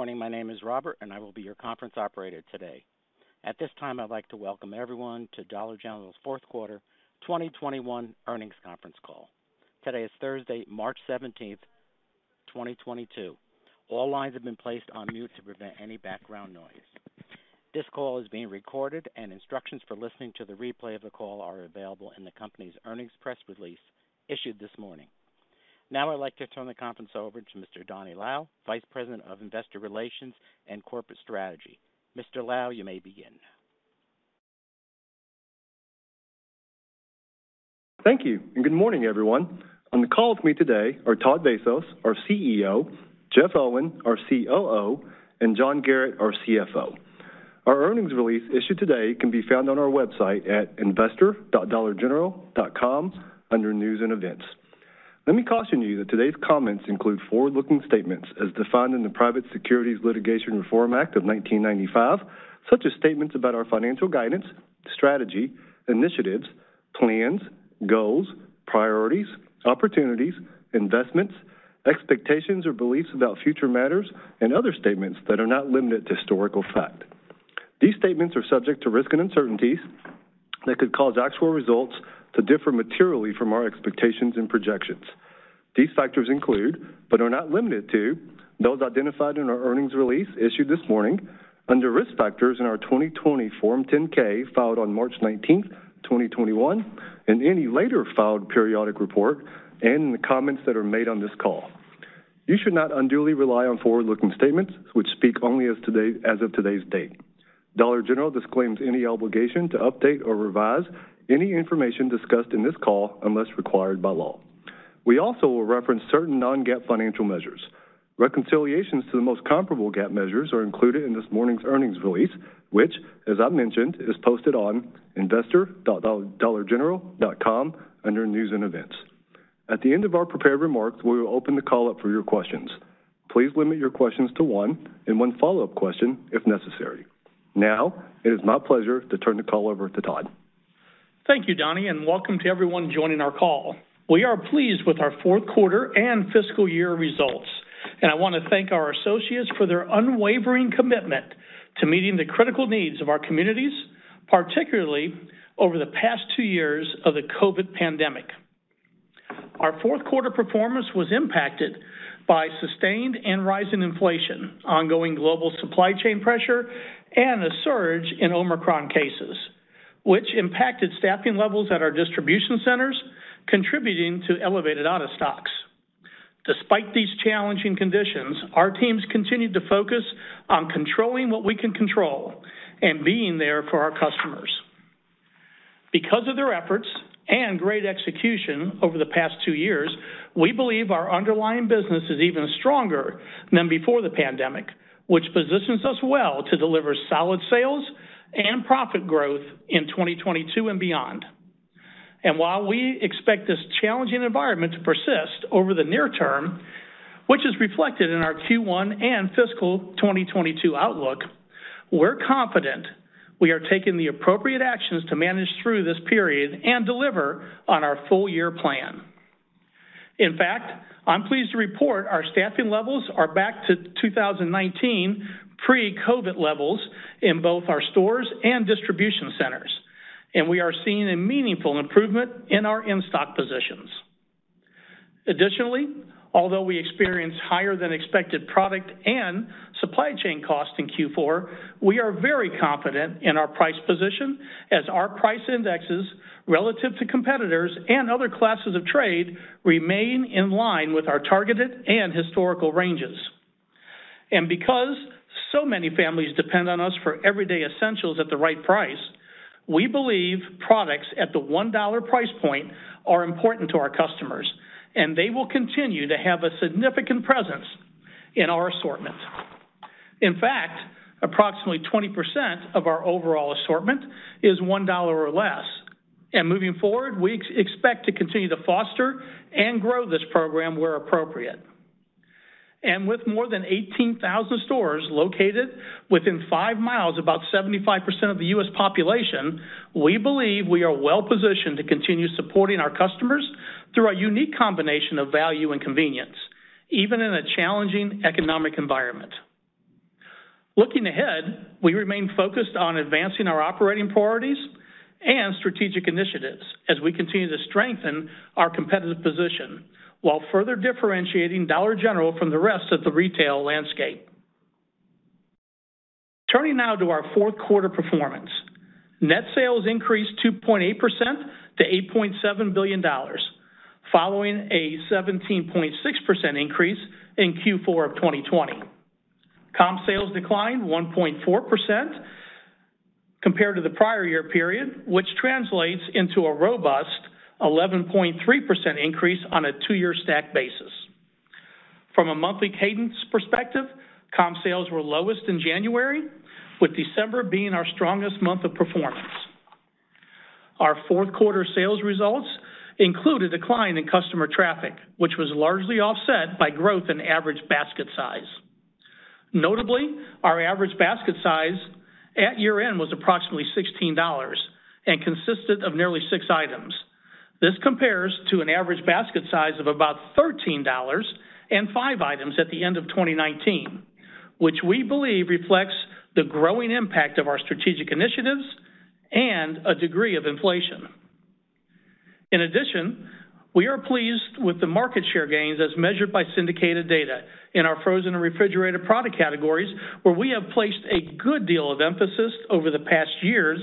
Good morning. My name is Robert, and I will be your conference operator today. At this time, I'd like to welcome everyone to Dollar General's fourth quarter 2021 earnings conference call. Today is Thursday, March 17th, 2022. All lines have been placed on mute to prevent any background noise. This call is being recorded, and instructions for listening to the replay of the call are available in the company's earnings press release issued this morning. Now I'd like to turn the conference over to Mr. Donny Lau, Vice President of Investor Relations and Corporate Strategy. Mr. Lau, you may begin. Thank you, and good morning, everyone. On the call with me today are Todd Vasos, our CEO, Jeff Owen, our COO, and John Garratt, our CFO. Our earnings release issued today can be found on our website at investor.dollargeneral.com under News and Events. Let me caution you that today's comments include forward-looking statements as defined in the Private Securities Litigation Reform Act of 1995, such as statements about our financial guidance, strategy, initiatives, plans, goals, priorities, opportunities, investments, expectations or beliefs about future matters, and other statements that are not limited to historical fact. These statements are subject to risks and uncertainties that could cause actual results to differ materially from our expectations and projections. These factors include, but are not limited to, those identified in our earnings release issued this morning under Risk Factors in our 2020 Form 10-K filed on March 19th, 2021, and any later filed periodic report and the comments that are made on this call. You should not unduly rely on forward-looking statements, which speak only as of today's date. Dollar General disclaims any obligation to update or revise any information discussed in this call unless required by law. We also will reference certain non-GAAP financial measures. Reconciliations to the most comparable GAAP measures are included in this morning's earnings release, which, as I mentioned, is posted on investor.dollargeneral.com under News and Events. At the end of our prepared remarks, we will open the call up for your questions. Please limit your questions to one and one follow-up question if necessary. Now it is my pleasure to turn the call over to Todd. Thank you, Donny, and welcome to everyone joining our call. We are pleased with our fourth quarter and fiscal year results, and I want to thank our associates for their unwavering commitment to meeting the critical needs of our communities, particularly over the past two years of the COVID pandemic. Our fourth quarter performance was impacted by sustained and rising inflation, ongoing global supply chain pressure, and a surge in Omicron cases, which impacted staffing levels at our distribution centers, contributing to elevated out-of-stocks. Despite these challenging conditions, our teams continued to focus on controlling what we can control and being there for our customers. Because of their efforts and great execution over the past two years, we believe our underlying business is even stronger than before the pandemic, which positions us well to deliver solid sales and profit growth in 2022 and beyond. While we expect this challenging environment to persist over the near term, which is reflected in our Q1 and fiscal 2022 outlook, we're confident we are taking the appropriate actions to manage through this period and deliver on our full-year plan. In fact, I'm pleased to report our staffing levels are back to 2019 pre-COVID levels in both our stores and distribution centers, and we are seeing a meaningful improvement in our in-stock positions. Additionally, although we experienced higher-than-expected product and supply chain costs in Q4, we are very confident in our price position as our price indexes relative to competitors and other classes of trade remain in line with our targeted and historical ranges. Because so many families depend on us for everyday essentials at the right price, we believe products at the $1 price point are important to our customers, and they will continue to have a significant presence in our assortment. In fact, approximately 20% of our overall assortment is $1 or less. Moving forward, we expect to continue to foster and grow this program where appropriate. With more than 18,000 stores located within 5 mi of about 75% of the U.S. population, we believe we are well-positioned to continue supporting our customers through our unique combination of value and convenience, even in a challenging economic environment. Looking ahead, we remain focused on advancing our operating priorities and strategic initiatives as we continue to strengthen our competitive position, while further differentiating Dollar General from the rest of the retail landscape. Turning now to our fourth quarter performance. Net sales increased 2.8% to $8.7 billion, following a 17.6% increase in Q4 of 2020. E-com sales declined 1.4% compared to the prior year period, which translates into a robust 11.3% increase on a two-year stack basis. From a monthly cadence perspective, e-com sales were lowest in January, with December being our strongest month of performance. Our fourth quarter sales results include a decline in customer traffic, which was largely offset by growth in average basket size. Notably, our average basket size at year-end was approximately $16 and consisted of nearly six items. This compares to an average basket size of about $13 and five items at the end of 2019, which we believe reflects the growing impact of our strategic initiatives and a degree of inflation. In addition, we are pleased with the market share gains as measured by syndicated data in our frozen and refrigerated product categories, where we have placed a good deal of emphasis over the past years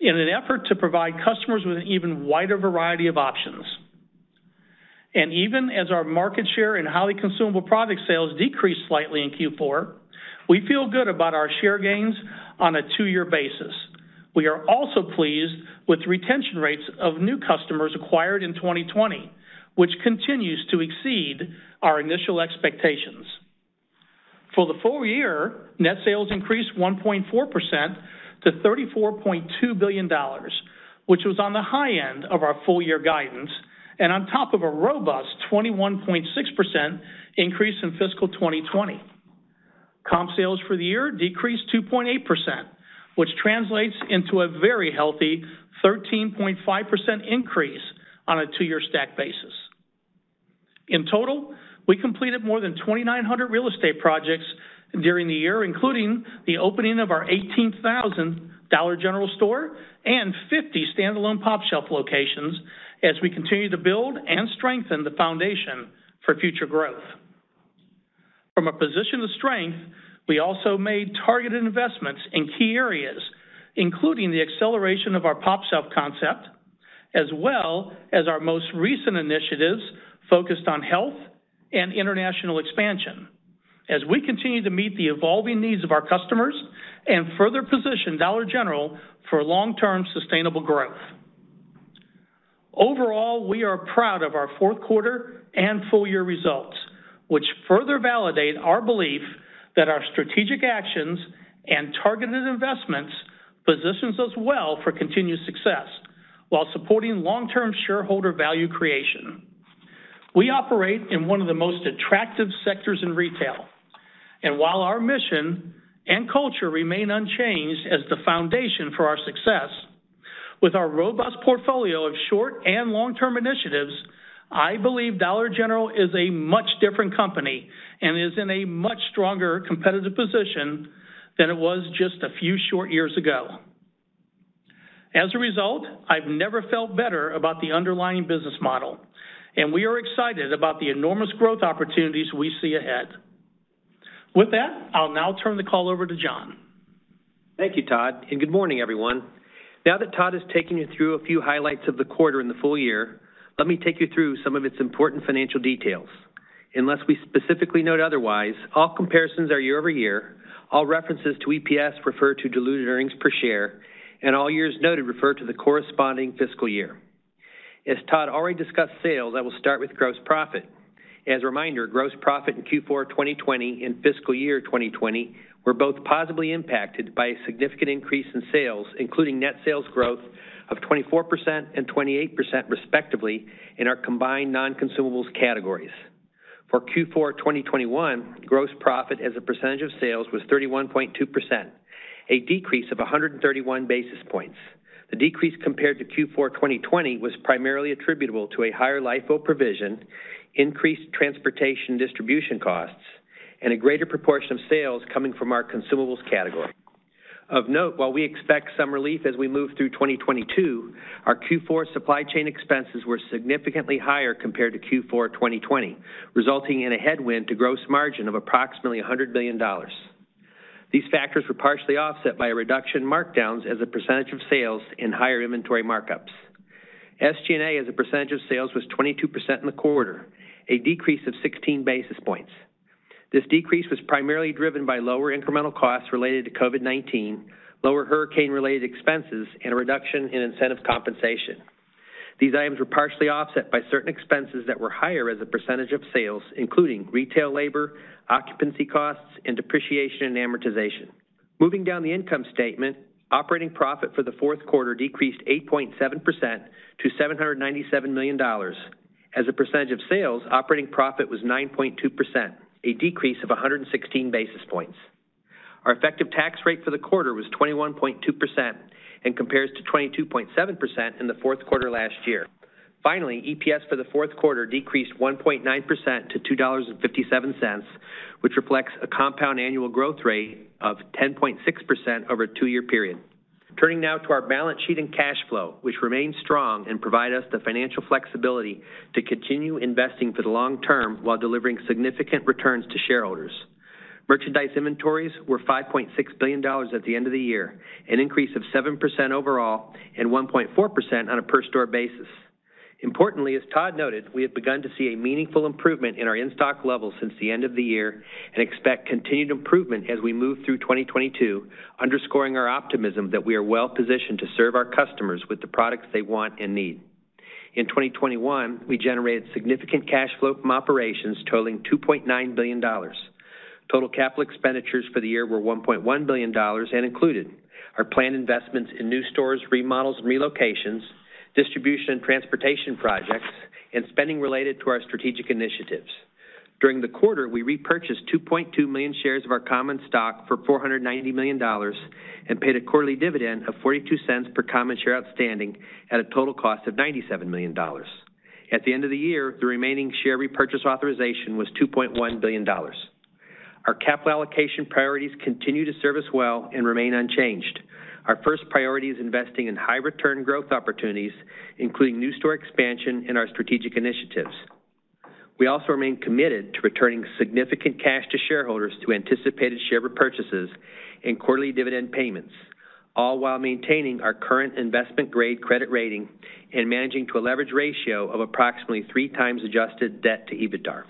in an effort to provide customers with an even wider variety of options. Even as our market share in highly consumable product sales decreased slightly in Q4, we feel good about our share gains on a two-year basis. We are also pleased with retention rates of new customers acquired in 2020, which continues to exceed our initial expectations. For the full year, net sales increased 1.4% to $34.2 billion, which was on the high end of our full year guidance, and on top of a robust 21.6% increase in fiscal 2020. Com sales for the year decreased 2.8%, which translates into a very healthy 13.5% increase on a two-year stack basis. In total, we completed more than 2,900 real estate projects during the year, including the opening of our 18,000th Dollar General store and 50 standalone pOpshelf locations as we continue to build and strengthen the foundation for future growth. From a position of strength, we also made targeted investments in key areas, including the acceleration of our pOpshelf concept, as well as our most recent initiatives focused on health and international expansion as we continue to meet the evolving needs of our customers and further position Dollar General for long-term sustainable growth. Overall, we are proud of our fourth quarter and full year results, which further validate our belief that our strategic actions and targeted investments positions us well for continued success while supporting long-term shareholder value creation. We operate in one of the most attractive sectors in retail, and while our mission and culture remain unchanged as the foundation for our success, with our robust portfolio of short and long-term initiatives, I believe Dollar General is a much different company and is in a much stronger competitive position than it was just a few short years ago. As a result, I've never felt better about the underlying business model, and we are excited about the enormous growth opportunities we see ahead. With that, I'll now turn the call over to John. Thank you, Todd, and good morning, everyone. Now that Todd has taken you through a few highlights of the quarter and the full year, let me take you through some of its important financial details. Unless we specifically note otherwise, all comparisons are year-over-year, all references to EPS refer to diluted earnings per share, and all years noted refer to the corresponding fiscal year. As Todd already discussed sales, I will start with gross profit. As a reminder, gross profit in Q4 2020 and fiscal year 2020 were both positively impacted by a significant increase in sales, including net sales growth of 24% and 28% respectively in our combined non-consumables categories. For Q4 2021, gross profit as a percentage of sales was 31.2%, a decrease of 131 basis points. The decrease compared to Q4 2020 was primarily attributable to a higher LIFO provision, increased transportation distribution costs, and a greater proportion of sales coming from our consumables category. Of note, while we expect some relief as we move through 2022, our Q4 supply chain expenses were significantly higher compared to Q4 2020, resulting in a headwind to gross margin of approximately 100 basis points. These factors were partially offset by a reduction in markdowns as a percentage of sales and higher inventory markups. SG&A as a percentage of sales was 22% in the quarter, a decrease of 16 basis points. This decrease was primarily driven by lower incremental costs related to COVID-19, lower hurricane-related expenses, and a reduction in incentive compensation. These items were partially offset by certain expenses that were higher as a percentage of sales, including retail labor, occupancy costs, and depreciation and amortization. Moving down the income statement, operating profit for the fourth quarter decreased 8.7% to $797 million. As a percentage of sales, operating profit was 9.2%, a decrease of 116 basis points. Our effective tax rate for the quarter was 21.2% and compares to 22.7% in the fourth quarter last year. Finally, EPS for the fourth quarter decreased 1.9% to $2.57, which reflects a compound annual growth rate of 10.6% over a two-year period. Turning now to our balance sheet and cash flow, which remain strong and provide us the financial flexibility to continue investing for the long term while delivering significant returns to shareholders. Merchandise inventories were $5.6 billion at the end of the year, an increase of 7% overall and 1.4% on a per store basis. Importantly, as Todd noted, we have begun to see a meaningful improvement in our in-stock levels since the end of the year and expect continued improvement as we move through 2022, underscoring our optimism that we are well-positioned to serve our customers with the products they want and need. In 2021, we generated significant cash flow from operations totaling $2.9 billion. Total capital expenditures for the year were $1.1 billion and included our planned investments in new stores, remodels and relocations, distribution and transportation projects, and spending related to our strategic initiatives. During the quarter, we repurchased 2.2 million shares of our common stock for $490 million and paid a quarterly dividend of $0.42 per common share outstanding at a total cost of $97 million. At the end of the year, the remaining share repurchase authorization was $2.1 billion. Our capital allocation priorities continue to serve us well and remain unchanged. Our first priority is investing in high return growth opportunities, including new store expansion and our strategic initiatives. We also remain committed to returning significant cash to shareholders through anticipated share repurchases and quarterly dividend payments, all while maintaining our current investment grade credit rating and managing to a leverage ratio of approximately 3x Adjusted Debt to EBITDA.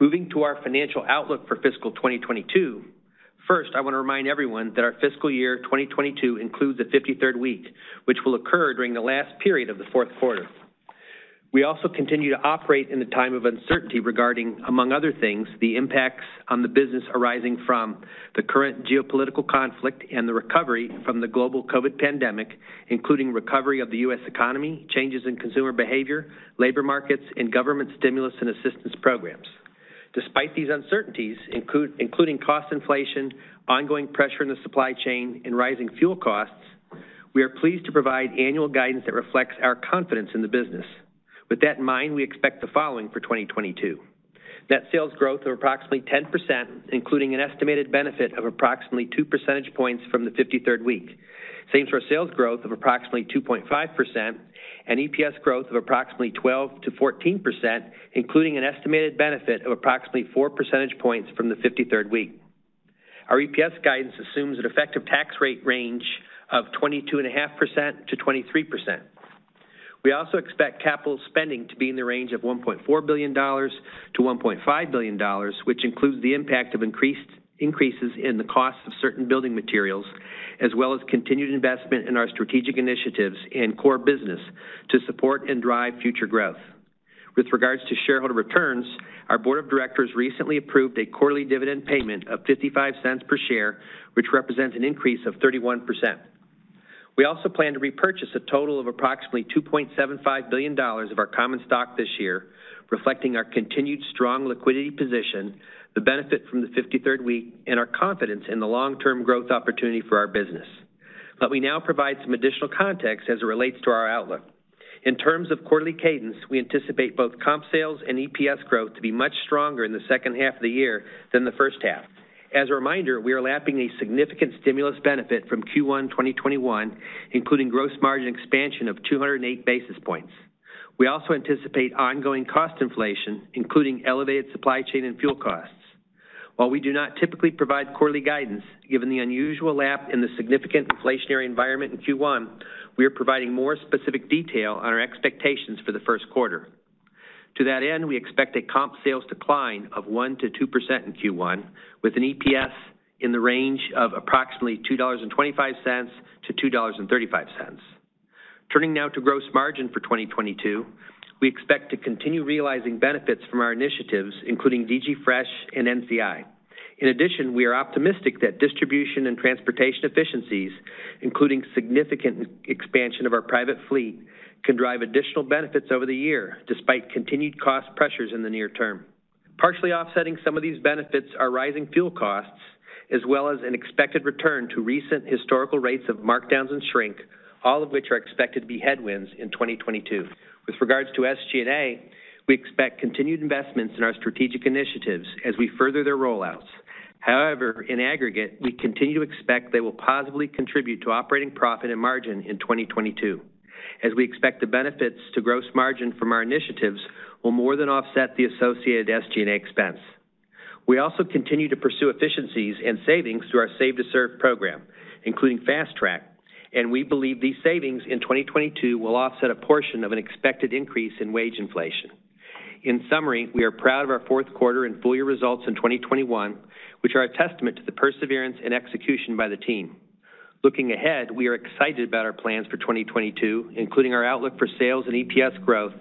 Moving to our financial outlook for fiscal 2022, first, I want to remind everyone that our fiscal year 2022 includes the 53rd week, which will occur during the last period of the fourth quarter. We also continue to operate in a time of uncertainty regarding, among other things, the impacts on the business arising from the current geopolitical conflict and the recovery from the global COVID pandemic, including recovery of the U.S. economy, changes in consumer behavior, labor markets, and government stimulus and assistance programs. Despite these uncertainties, including cost inflation, ongoing pressure in the supply chain and rising fuel costs, we are pleased to provide annual guidance that reflects our confidence in the business. With that in mind, we expect the following for 2022. Net sales growth of approximately 10%, including an estimated benefit of approximately 2 percentage points from the 53rd week. Same store sales growth of approximately 2.5% and EPS growth of approximately 12%-14%, including an estimated benefit of approximately 4 percentage points from the 53rd week. Our EPS guidance assumes an effective tax rate range of 22.5%-23%. We also expect capital spending to be in the range of $1.4 billion-$1.5 billion, which includes the impact of increases in the cost of certain building materials, as well as continued investment in our strategic initiatives and core business to support and drive future growth. With regards to shareholder returns, our board of directors recently approved a quarterly dividend payment of $0.55 per share, which represents an increase of 31%. We also plan to repurchase a total of approximately $2.75 billion of our common stock this year, reflecting our continued strong liquidity position, the benefit from the 53rd week, and our confidence in the long-term growth opportunity for our business. Let me now provide some additional context as it relates to our outlook. In terms of quarterly cadence, we anticipate both comp sales and EPS growth to be much stronger in the second half of the year than the first half. As a reminder, we are lapping a significant stimulus benefit from Q1 2021, including gross margin expansion of 208 basis points. We also anticipate ongoing cost inflation, including elevated supply chain and fuel costs. While we do not typically provide quarterly guidance, given the unusual lap and the significant inflationary environment in Q1, we are providing more specific detail on our expectations for the first quarter. To that end, we expect a comp sales decline of 1%-2% in Q1, with an EPS in the range of approximately $2.25-$2.35. Turning now to gross margin for 2022, we expect to continue realizing benefits from our initiatives, including DG Fresh and NCI. In addition, we are optimistic that distribution and transportation efficiencies, including significant expansion of our private fleet, can drive additional benefits over the year despite continued cost pressures in the near term. Partially offsetting some of these benefits are rising fuel costs as well as an expected return to recent historical rates of markdowns and shrink, all of which are expected to be headwinds in 2022. With regards to SG&A, we expect continued investments in our strategic initiatives as we further their rollouts. However, in aggregate, we continue to expect they will positively contribute to operating profit and margin in 2022, as we expect the benefits to gross margin from our initiatives will more than offset the associated SG&A expense. We also continue to pursue efficiencies and savings through our Save to Serve program, including Fast Track, and we believe these savings in 2022 will offset a portion of an expected increase in wage inflation. In summary, we are proud of our fourth quarter and full year results in 2021, which are a testament to the perseverance and execution by the team. Looking ahead, we are excited about our plans for 2022, including our outlook for sales and EPS growth,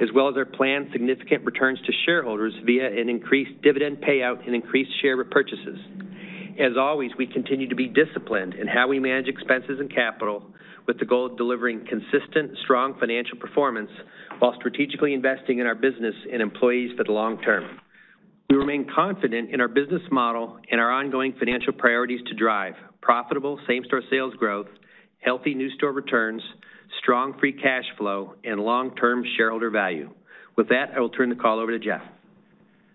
as well as our planned significant returns to shareholders via an increased dividend payout and increased share repurchases. As always, we continue to be disciplined in how we manage expenses and capital with the goal of delivering consistent, strong financial performance while strategically investing in our business and employees for the long term. We remain confident in our business model and our ongoing financial priorities to drive profitable same-store sales growth, healthy new store returns, strong free cash flow, and long-term shareholder value. With that, I will turn the call over to Jeff.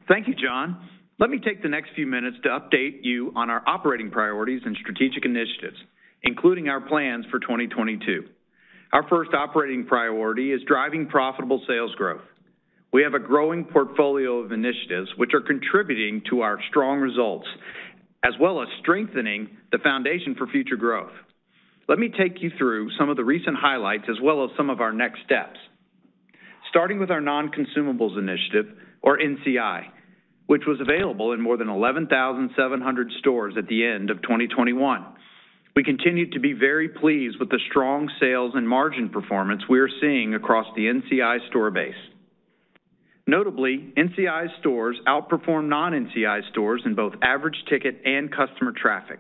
Thank you, John. Let me take the next few minutes to update you on our operating priorities and strategic initiatives, including our plans for 2022. Our first operating priority is driving profitable sales growth. We have a growing portfolio of initiatives which are contributing to our strong results, as well as strengthening the foundation for future growth. Let me take you through some of the recent highlights as well as some of our next steps. Starting with our Non-Consumables Initiative, or NCI, which was available in more than 11,700 stores at the end of 2021. We continue to be very pleased with the strong sales and margin performance we are seeing across the NCI store base. Notably, NCI stores outperform non-NCI stores in both average ticket and customer traffic,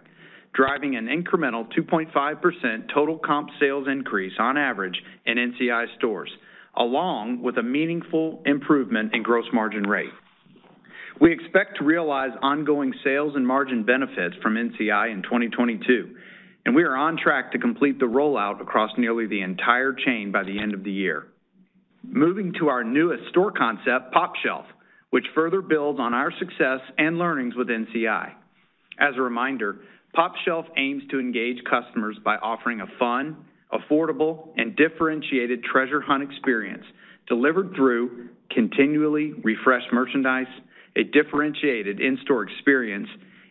driving an incremental 2.5% total comp sales increase on average in NCI stores, along with a meaningful improvement in gross margin rate. We expect to realize ongoing sales and margin benefits from NCI in 2022, and we are on track to complete the rollout across nearly the entire chain by the end of the year. Moving to our newest store concept, pOpshelf, which further builds on our success and learnings with NCI. As a reminder, pOpshelf aims to engage customers by offering a fun, affordable, and differentiated treasure hunt experience delivered through continually refreshed merchandise, a differentiated in-store experience,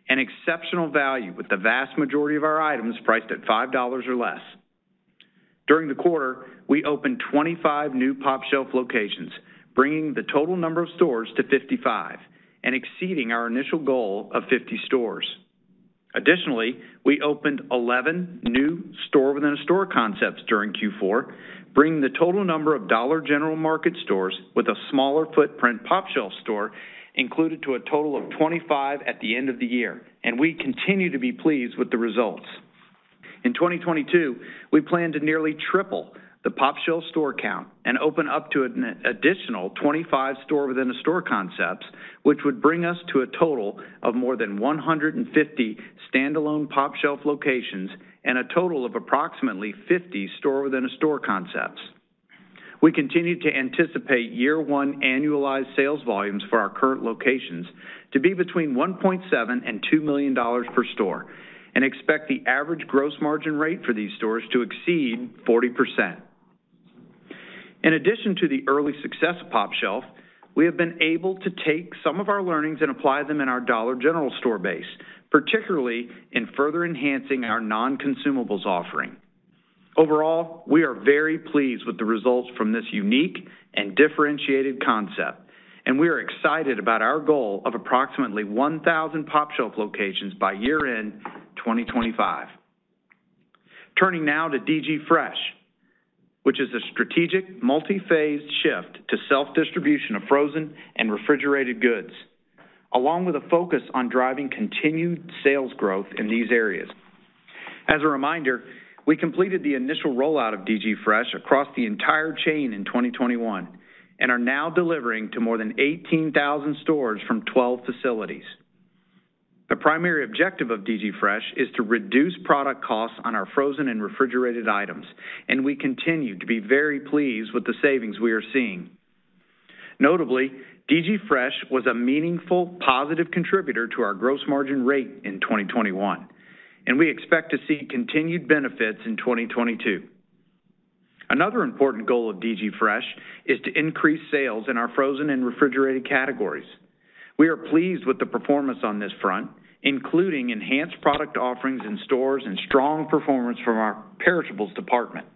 and exceptional value with the vast majority of our items priced at $5 or less. During the quarter, we opened 25 new pOpshelf locations, bringing the total number of stores to 55 and exceeding our initial goal of 50 stores. Additionally, we opened 11 new store-within-a-store concepts during Q4, bringing the total number of Dollar General Market stores with a smaller footprint pOpshelf store included to a total of 25 at the end of the year, and we continue to be pleased with the results. In 2022, we plan to nearly triple the pOpshelf store count and open up to an additional 25 store-within-a-store concepts, which would bring us to a total of more than 150 stand-alone pOpshelf locations and a total of approximately 50 store-within-a-store concepts. We continue to anticipate year-one annualized sales volumes for our current locations to be between $1.7 million and $2 million per store and expect the average gross margin rate for these stores to exceed 40%. In addition to the early success of pOpshelf, we have been able to take some of our learnings and apply them in our Dollar General store base, particularly in further enhancing our non-consumables offering. Overall, we are very pleased with the results from this unique and differentiated concept, and we are excited about our goal of approximately 1,000 pOpshelf locations by year-end 2025. Turning now to DG Fresh, which is a strategic multi-phased shift to self-distribution of frozen and refrigerated goods, along with a focus on driving continued sales growth in these areas. As a reminder, we completed the initial rollout of DG Fresh across the entire chain in 2021 and are now delivering to more than 18,000 stores from 12 facilities. The primary objective of DG Fresh is to reduce product costs on our frozen and refrigerated items, and we continue to be very pleased with the savings we are seeing. Notably, DG Fresh was a meaningful positive contributor to our gross margin rate in 2021, and we expect to see continued benefits in 2022. Another important goal of DG Fresh is to increase sales in our frozen and refrigerated categories. We are pleased with the performance on this front, including enhanced product offerings in stores and strong performance from our perishables department.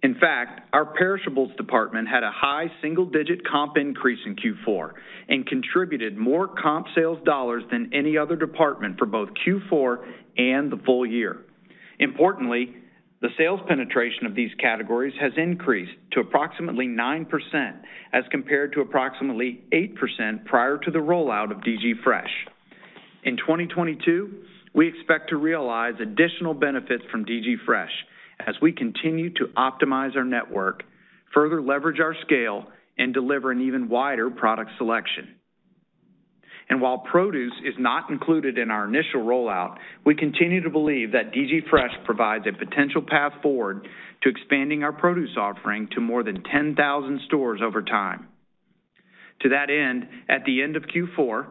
In fact, our perishables department had a high single-digit comp increase in Q4 and contributed more comp sales dollars than any other department for both Q4 and the full year. Importantly, the sales penetration of these categories has increased to approximately 9% as compared to approximately 8% prior to the rollout of DG Fresh. In 2022, we expect to realize additional benefits from DG Fresh as we continue to optimize our network, further leverage our scale, and deliver an even wider product selection. While produce is not included in our initial rollout, we continue to believe that DG Fresh provides a potential path forward to expanding our produce offering to more than 10,000 stores over time. To that end, at the end of Q4,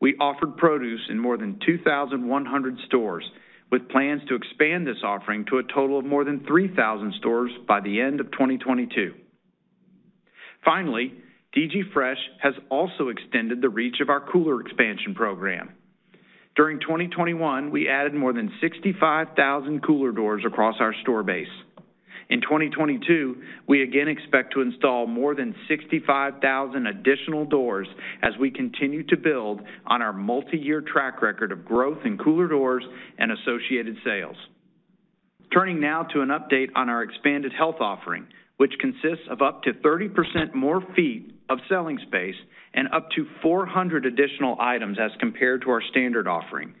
we offered produce in more than 2,100 stores, with plans to expand this offering to a total of more than 3,000 stores by the end of 2022. Finally, DG Fresh has also extended the reach of our cooler expansion program. During 2021, we added more than 65,000 cooler doors across our store base. In 2022, we again expect to install more than 65,000 additional doors as we continue to build on our multiyear track record of growth in cooler doors and associated sales. Turning now to an update on our expanded health offering, which consists of up to 30% more feet of selling space and up to 400 additional items as compared to our standard offering.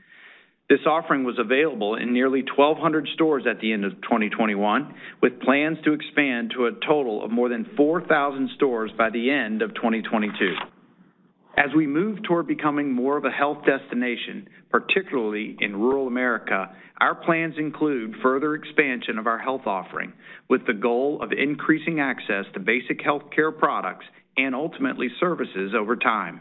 This offering was available in nearly 1,200 stores at the end of 2021, with plans to expand to a total of more than 4,000 stores by the end of 2022. As we move toward becoming more of a health destination, particularly in rural America, our plans include further expansion of our health offering with the goal of increasing access to basic healthcare products and ultimately services over time.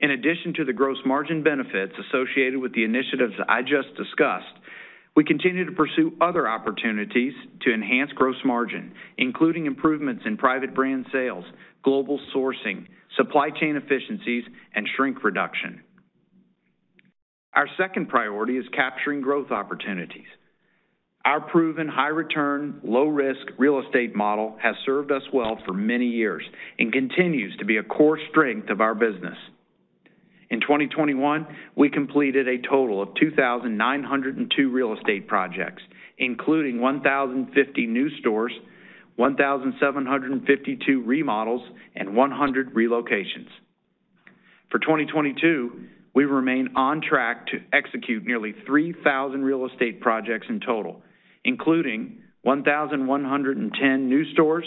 In addition to the gross margin benefits associated with the initiatives that I just discussed, we continue to pursue other opportunities to enhance gross margin, including improvements in private brand sales, global sourcing, supply chain efficiencies, and shrink reduction. Our second priority is capturing growth opportunities. Our proven high return, low risk real estate model has served us well for many years and continues to be a core strength of our business. In 2021, we completed a total of 2,902 real estate projects, including 1,050 new stores, 1,752 remodels, and 100 relocations. For 2022, we remain on track to execute nearly 3,000 real estate projects in total, including 1,110 new stores,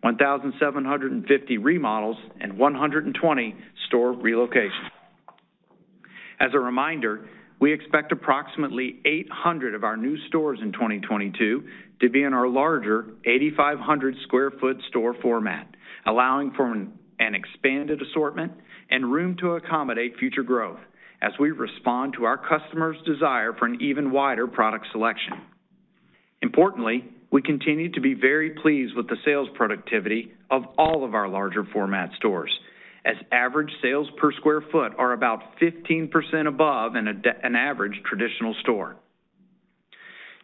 1,750 remodels, and 120 store relocations. As a reminder, we expect approximately 800 of our new stores in 2022 to be in our larger 8,500 sq ft store format, allowing for an expanded assortment and room to accommodate future growth as we respond to our customers' desire for an even wider product selection. Importantly, we continue to be very pleased with the sales productivity of all of our larger format stores as average sales per square foot are about 15% above an average traditional store.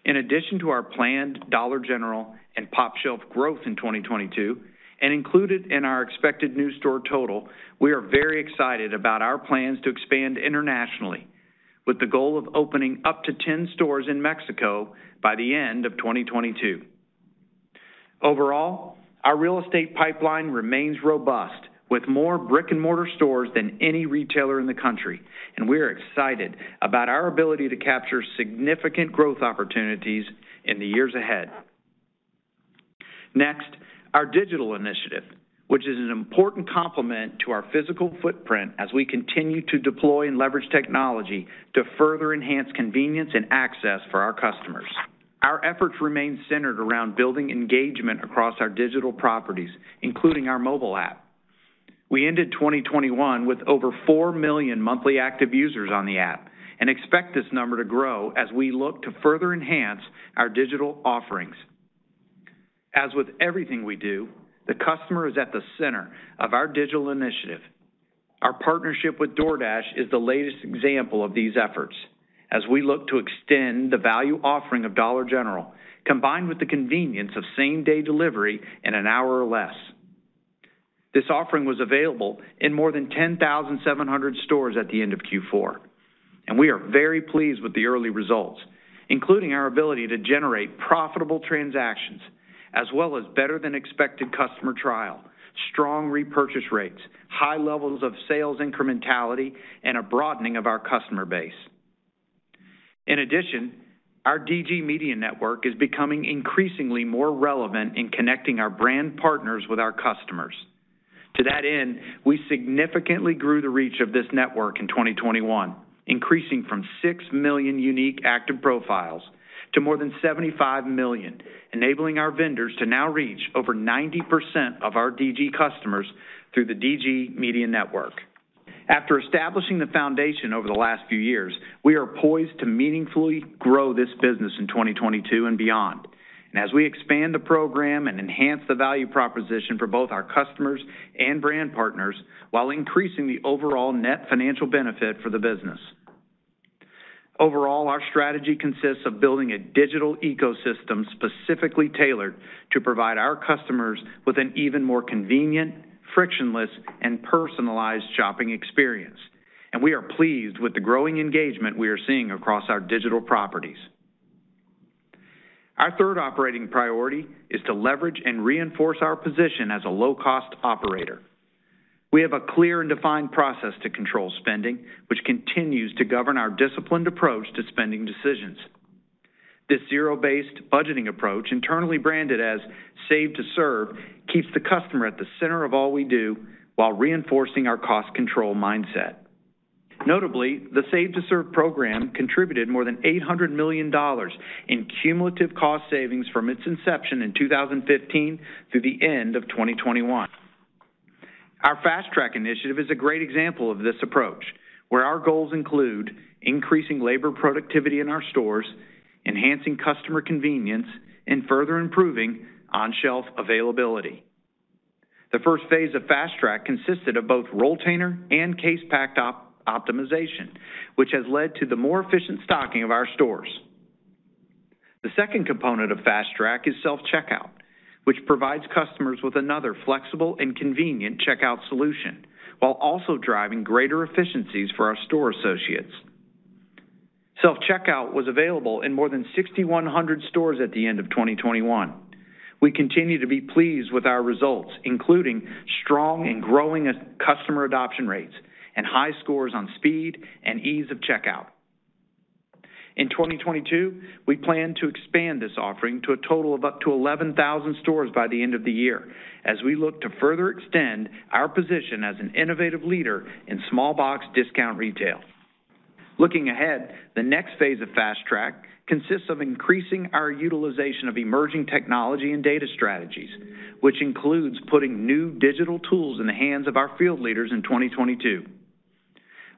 In addition to our planned Dollar General and pOpshelf growth in 2022 and included in our expected new store total, we are very excited about our plans to expand internationally with the goal of opening up to 10 stores in Mexico by the end of 2022. Overall, our real estate pipeline remains robust with more brick-and-mortar stores than any retailer in the country, and we are excited about our ability to capture significant growth opportunities in the years ahead. Next, our digital initiative, which is an important complement to our physical footprint as we continue to deploy and leverage technology to further enhance convenience and access for our customers. Our efforts remain centered around building engagement across our digital properties, including our mobile app. We ended 2021 with over 4 million monthly active users on the app and expect this number to grow as we look to further enhance our digital offerings. As with everything we do, the customer is at the center of our digital initiative. Our partnership with DoorDash is the latest example of these efforts as we look to extend the value offering of Dollar General, combined with the convenience of same-day delivery in an hour or less. This offering was available in more than 10,700 stores at the end of Q4, and we are very pleased with the early results, including our ability to generate profitable transactions as well as better than expected customer trial, strong repurchase rates, high levels of sales incrementality, and a broadening of our customer base. In addition, our DG Media Network is becoming increasingly more relevant in connecting our brand partners with our customers. To that end, we significantly grew the reach of this network in 2021, increasing from 6 million unique active profiles to more than 75 million, enabling our vendors to now reach over 90% of our DG customers through the DG Media Network. After establishing the foundation over the last few years, we are poised to meaningfully grow this business in 2022 and beyond, as we expand the program and enhance the value proposition for both our customers and brand partners while increasing the overall net financial benefit for the business. Overall, our strategy consists of building a digital ecosystem specifically tailored to provide our customers with an even more convenient, frictionless, and personalized shopping experience, and we are pleased with the growing engagement we are seeing across our digital properties. Our third operating priority is to leverage and reinforce our position as a low-cost operator. We have a clear and defined process to control spending, which continues to govern our disciplined approach to spending decisions. This Zero-Based Budgeting approach, internally branded as Save to Serve, keeps the customer at the center of all we do while reinforcing our cost control mindset. Notably, the Save to Serve program contributed more than $800 million in cumulative cost savings from its inception in 2015 through the end of 2021. Our Fast Track initiative is a great example of this approach, where our goals include increasing labor productivity in our stores, enhancing customer convenience, and further improving on-shelf availability. The first phase of Fast Track consisted of both Roll Container and Case Pack Optimization, which has led to the more efficient stocking of our stores. The second component of Fast Track is self-checkout, which provides customers with another flexible and convenient checkout solution while also driving greater efficiencies for our store associates. Self-checkout was available in more than 6,100 stores at the end of 2021. We continue to be pleased with our results, including strong and growing customer adoption rates and high scores on speed and ease of checkout. In 2022, we plan to expand this offering to a total of up to 11,000 stores by the end of the year as we look to further extend our position as an innovative leader in small box discount retail. Looking ahead, the next phase of Fast Track consists of increasing our utilization of emerging technology and data strategies, which includes putting new digital tools in the hands of our field leaders in 2022.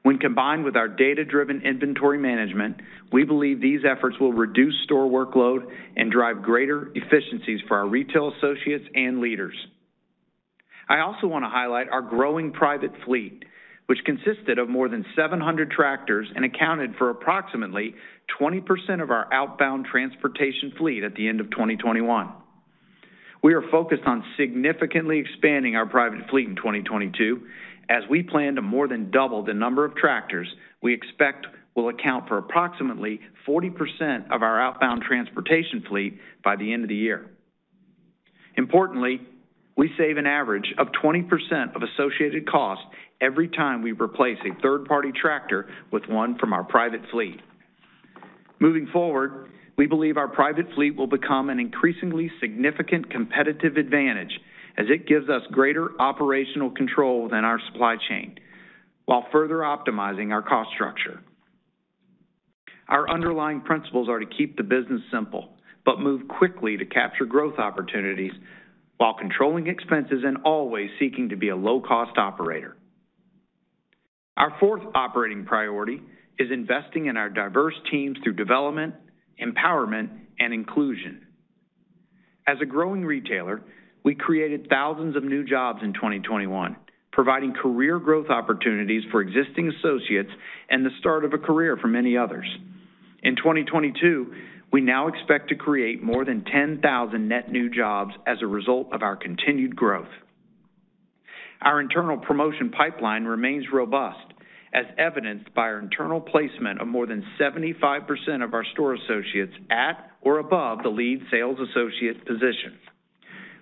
When combined with our data-driven inventory management, we believe these efforts will reduce store workload and drive greater efficiencies for our retail associates and leaders. I also want to highlight our growing private fleet, which consisted of more than 700 tractors and accounted for approximately 20% of our outbound transportation fleet at the end of 2021. We are focused on significantly expanding our private fleet in 2022 as we plan to more than double the number of tractors we expect will account for approximately 40% of our outbound transportation fleet by the end of the year. Importantly, we save an average of 20% of associated costs every time we replace a third-party tractor with one from our private fleet. Moving forward, we believe our private fleet will become an increasingly significant competitive advantage as it gives us greater operational control within our supply chain while further optimizing our cost structure. Our underlying principles are to keep the business simple, but move quickly to capture growth opportunities while controlling expenses and always seeking to be a low-cost operator. Our fourth operating priority is investing in our diverse teams through development, empowerment, and inclusion. As a growing retailer, we created thousands of new jobs in 2021, providing career growth opportunities for existing associates and the start of a career for many others. In 2022, we now expect to create more than 10,000 net new jobs as a result of our continued growth. Our internal promotion pipeline remains robust, as evidenced by our internal placement of more than 75% of our store associates at or above the Lead Sales Associate position.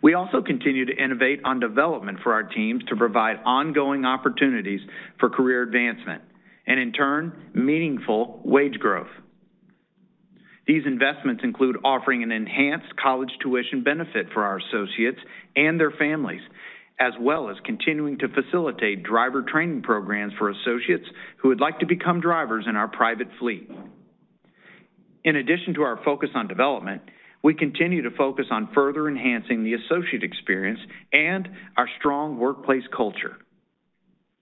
We also continue to innovate on development for our teams to provide ongoing opportunities for career advancement and, in turn, meaningful wage growth. These investments include offering an enhanced college tuition benefit for our associates and their families, as well as continuing to facilitate driver training programs for associates who would like to become drivers in our private fleet. In addition to our focus on development, we continue to focus on further enhancing the associate experience and our strong workplace culture.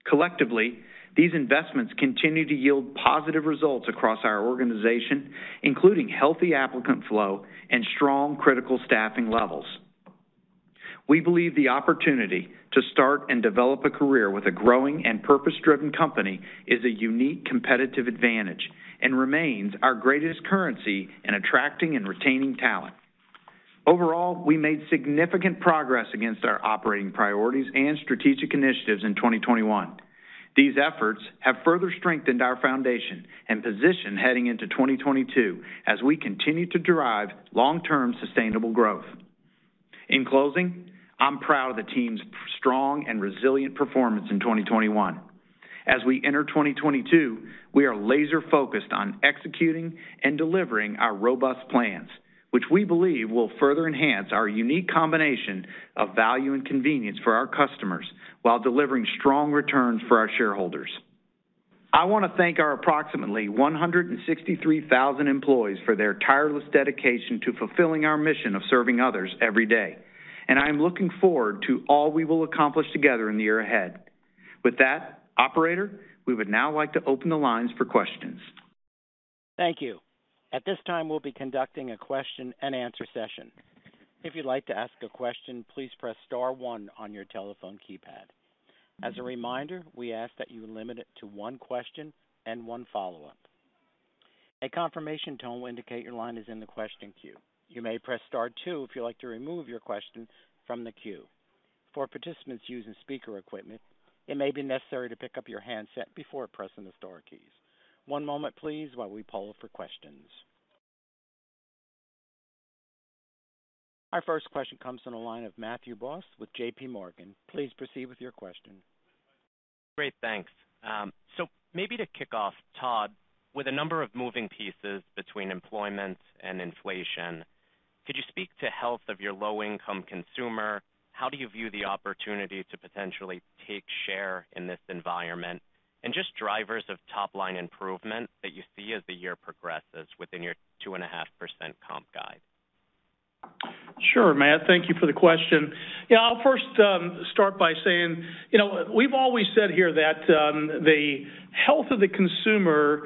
Collectively, these investments continue to yield positive results across our organization, including healthy applicant flow and strong critical staffing levels. We believe the opportunity to start and develop a career with a growing and purpose-driven company is a unique competitive advantage and remains our greatest currency in attracting and retaining talent. Overall, we made significant progress against our operating priorities and strategic initiatives in 2021. These efforts have further strengthened our foundation and position heading into 2022 as we continue to drive long-term sustainable growth. In closing, I'm proud of the team's strong and resilient performance in 2021. As we enter 2022, we are laser-focused on executing and delivering our robust plans, which we believe will further enhance our unique combination of value and convenience for our customers while delivering strong returns for our shareholders. I want to thank our approximately 163,000 employees for their tireless dedication to fulfilling our mission of serving others every day, and I am looking forward to all we will accomplish together in the year ahead. With that, operator, we would now like to open the lines for questions. Thank you. At this time, we'll be conducting a question and answer session. If you'd like to ask a question, please press star one on your telephone keypad. As a reminder, we ask that you limit it to one question and one follow-up. A confirmation tone will indicate your line is in the question queue. You may press star two if you'd like to remove your question from the queue. For participants using speaker equipment, it may be necessary to pick up your handset before pressing the star keys. One moment, please, while we poll for questions. Our first question comes from the line of Matthew Boss with JPMorgan. Please proceed with your question. Great. Thanks. Maybe to kick off, Todd, with a number of moving pieces between employment and inflation, could you speak to health of your low-income consumer? How do you view the opportunity to potentially take share in this environment? Just drivers of top-line improvement that you see as the year progresses within your 2.5% comp guide. Sure, Matt. Thank you for the question. Yeah, I'll first start by saying, you know, we've always said here that the health of the consumer,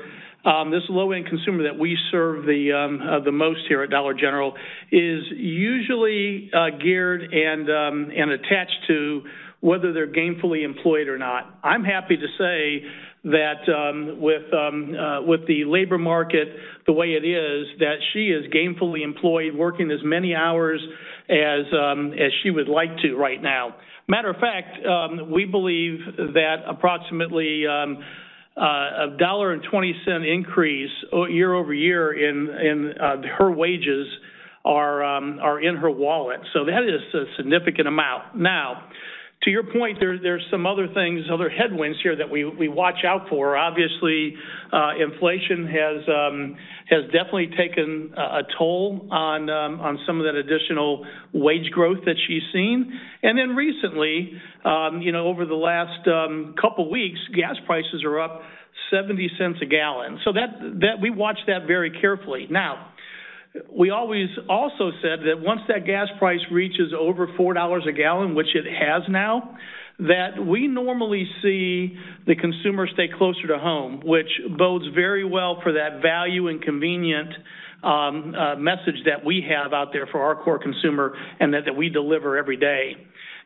this low-end consumer that we serve the most here at Dollar General is usually geared and attached to whether they're gainfully employed or not. I'm happy to say that with the labor market the way it is, that she is gainfully employed, working as many hours as she would like to right now. Matter of fact, we believe that approximately, $1.20 year-over-year increase in her wages are in her wallet. That is a significant amount. Now, to your point, there are some other things, other headwinds here that we watch out for. Obviously, inflation has definitely taken a toll on some of that additional wage growth that she's seen. Recently, you know, over the last couple weeks, gas prices are up $0.70 a gallon. That we watch that very carefully. Now, we always also said that once that gas price reaches over $4 a gallon, which it has now, that we normally see the consumer stay closer to home, which bodes very well for that value and convenient message that we have out there for our core consumer and that we deliver every day.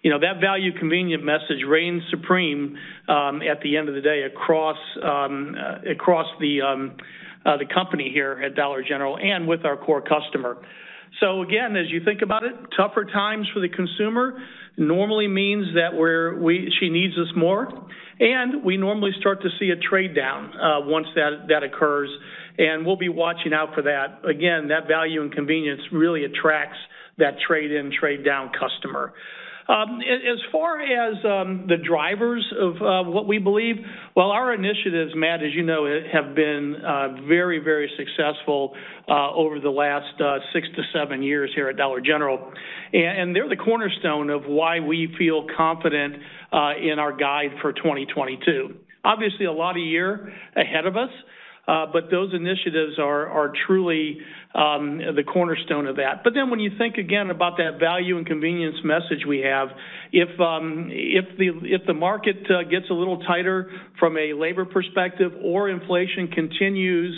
You know, that value convenient message reigns supreme at the end of the day across the company here at Dollar General and with our core customer. Again, as you think about it, tougher times for the consumer normally means that she needs us more, and we normally start to see a trade down once that occurs, and we'll be watching out for that. Again, that value and convenience really attracts that trade-in, trade-down customer. As far as the drivers of what we believe, well, our initiatives, Matt, as you know, have been very successful over the last six to seven years here at Dollar General. They're the cornerstone of why we feel confident in our guide for 2022. Obviously, a lot of years ahead of us, but those initiatives are truly the cornerstone of that. When you think again about that value and convenience message we have, if the market gets a little tighter from a labor perspective or inflation continues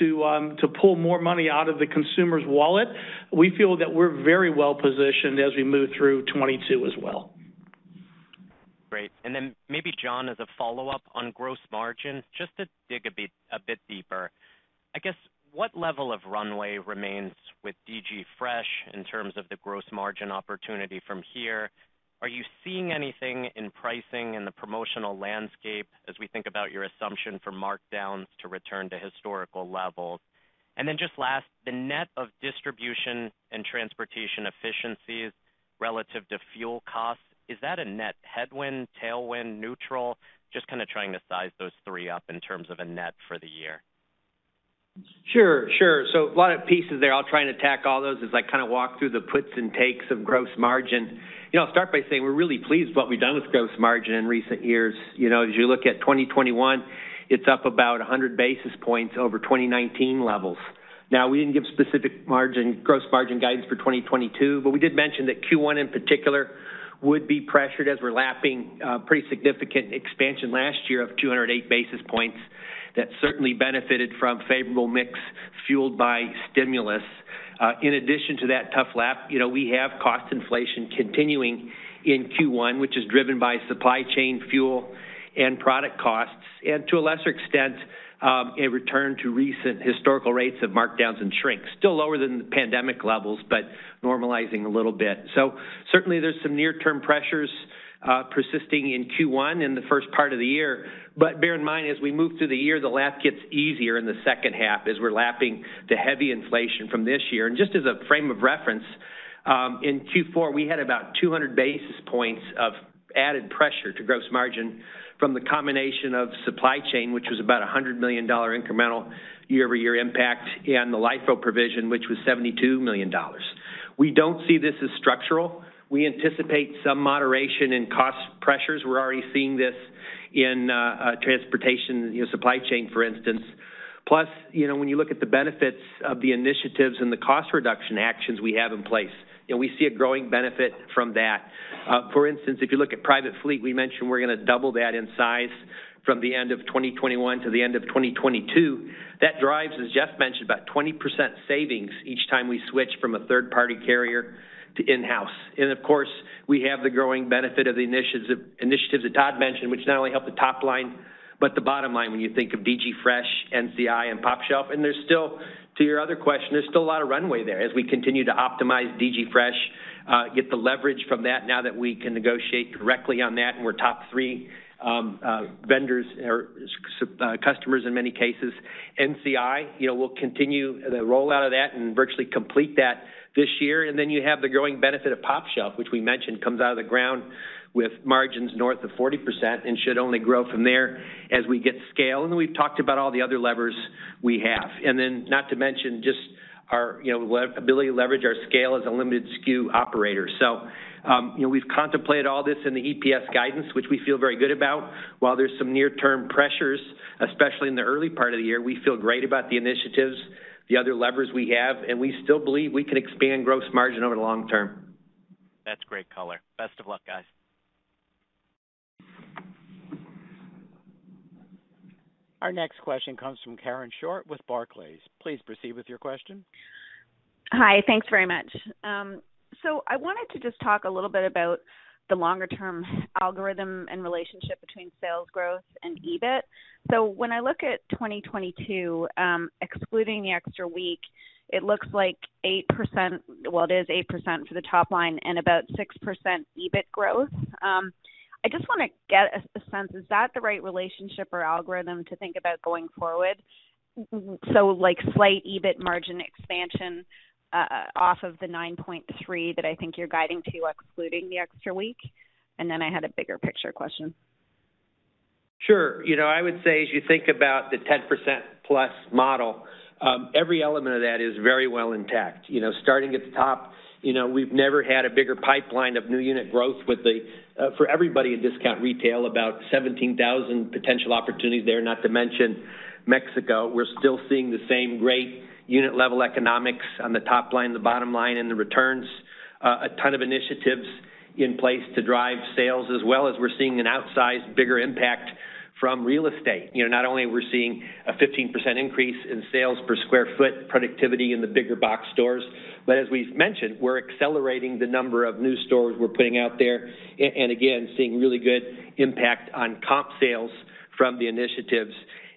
to pull more money out of the consumer's wallet, we feel that we're very well-positioned as we move through 2022 as well. Great. Maybe, John, as a follow-up on gross margin, just to dig a bit deeper. I guess what level of runway remains with DG Fresh in terms of the gross margin opportunity from here? Are you seeing anything in pricing in the promotional landscape as we think about your assumption for markdowns to return to historical levels? And then just last, the net of distribution and transportation efficiencies relative to fuel costs, is that a net headwind, tailwind, neutral? Just kind of trying to size those three up in terms of a net for the year. Sure. A lot of pieces there. I'll try and attack all those as I kind of walk through the puts and takes of gross margin. You know, I'll start by saying we're really pleased what we've done with gross margin in recent years. You know, as you look at 2021, it's up about 100 basis points over 2019 levels. Now, we didn't give specific gross margin guidance for 2022, but we did mention that Q1, in particular, would be pressured as we're lapping a pretty significant expansion last year of 208 basis points that certainly benefited from favorable mix fueled by stimulus. In addition to that tough lap, you know, we have cost inflation continuing in Q1, which is driven by supply chain, fuel, and product costs. To a lesser extent, a return to recent historical rates of markdowns and shrinks. Still lower than the pandemic levels, but normalizing a little bit. Certainly, there's some near-term pressures persisting in Q1 in the first part of the year. Bear in mind, as we move through the year, the lap gets easier in the second half as we're lapping the heavy inflation from this year. Just as a frame of reference, in Q4, we had about 200 basis points of added pressure to gross margin from the combination of supply chain, which was about a $100 million incremental year-over-year impact, and the LIFO provision, which was $72 million. We don't see this as structural. We anticipate some moderation in cost pressures. We're already seeing this in transportation, you know, supply chain, for instance. You know, when you look at the benefits of the initiatives and the cost reduction actions we have in place, you know, we see a growing benefit from that. For instance, if you look at private fleet, we mentioned we're gonna double that in size from the end of 2021 to the end of 2022. That drives, as Jeff mentioned, about 20% savings each time we switch from a third-party carrier to in-house. Of course, we have the growing benefit of the initiatives that Todd mentioned, which not only help the top line, but the bottom line when you think of DG Fresh, NCI, and pOpshelf. There's still, to your other question, there's still a lot of runway there as we continue to optimize DG Fresh, get the leverage from that now that we can negotiate directly on that, and we're top three vendors or customers in many cases. NCI, you know, we'll continue the rollout of that and virtually complete that this year. You have the growing benefit of pOpshelf, which we mentioned comes out of the ground with margins north of 40% and should only grow from there as we get scale. We've talked about all the other levers we have. Not to mention just our, you know, ability to leverage our scale as a limited SKU operator. You know, we've contemplated all this in the EPS guidance, which we feel very good about. While there's some near-term pressures, especially in the early part of the year, we feel great about the initiatives, the other levers we have, and we still believe we can expand gross margin over the long term. That's great color. Best of luck, guys. Our next question comes from Karen Short with Barclays. Please proceed with your question. Hi. Thanks very much. I wanted to just talk a little bit about the longer-term algorithm and relationship between sales growth and EBIT. When I look at 2022, excluding the extra week, it looks like 8% for the top line and about 6% EBIT growth. I just wanna get a sense, is that the right relationship or algorithm to think about going forward? Like, slight EBIT margin expansion off of the 9.3% that I think you're guiding to excluding the extra week. I had a bigger picture question. Sure. You know, I would say as you think about the 10%+ model, every element of that is very well intact. You know, starting at the top, you know, we've never had a bigger pipeline of new unit growth with the for everybody in discount retail, about 17,000 potential opportunities there, not to mention Mexico. We're still seeing the same great unit level economics on the top line, the bottom line, and the returns. A ton of initiatives in place to drive sales as well as we're seeing an outsized bigger impact from real estate. You know, not only are we seeing a 15% increase in sales per square foot productivity in the bigger box stores, but as we've mentioned, we're accelerating the number of new stores we're putting out there and again, seeing really good impact on comp sales from the initiatives.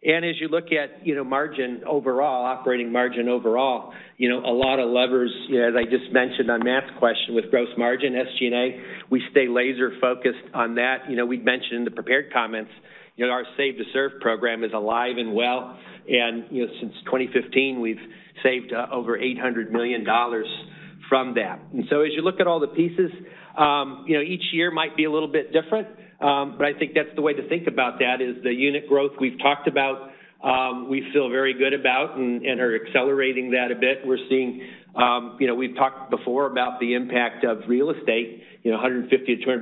As you look at, you know, margin overall, operating margin overall, you know, a lot of levers, you know, as I just mentioned on Matt's question with gross margin, SG&A, we stay laser focused on that. You know, we'd mentioned in the prepared comments, you know, our Save to Serve program is alive and well. You know, since 2015, we've saved over $800 million from that. As you look at all the pieces, you know, each year might be a little bit different. I think that's the way to think about that is the unit growth we've talked about, we feel very good about and are accelerating that a bit. We're seeing, you know, we've talked before about the impact of real estate, you know, 150-200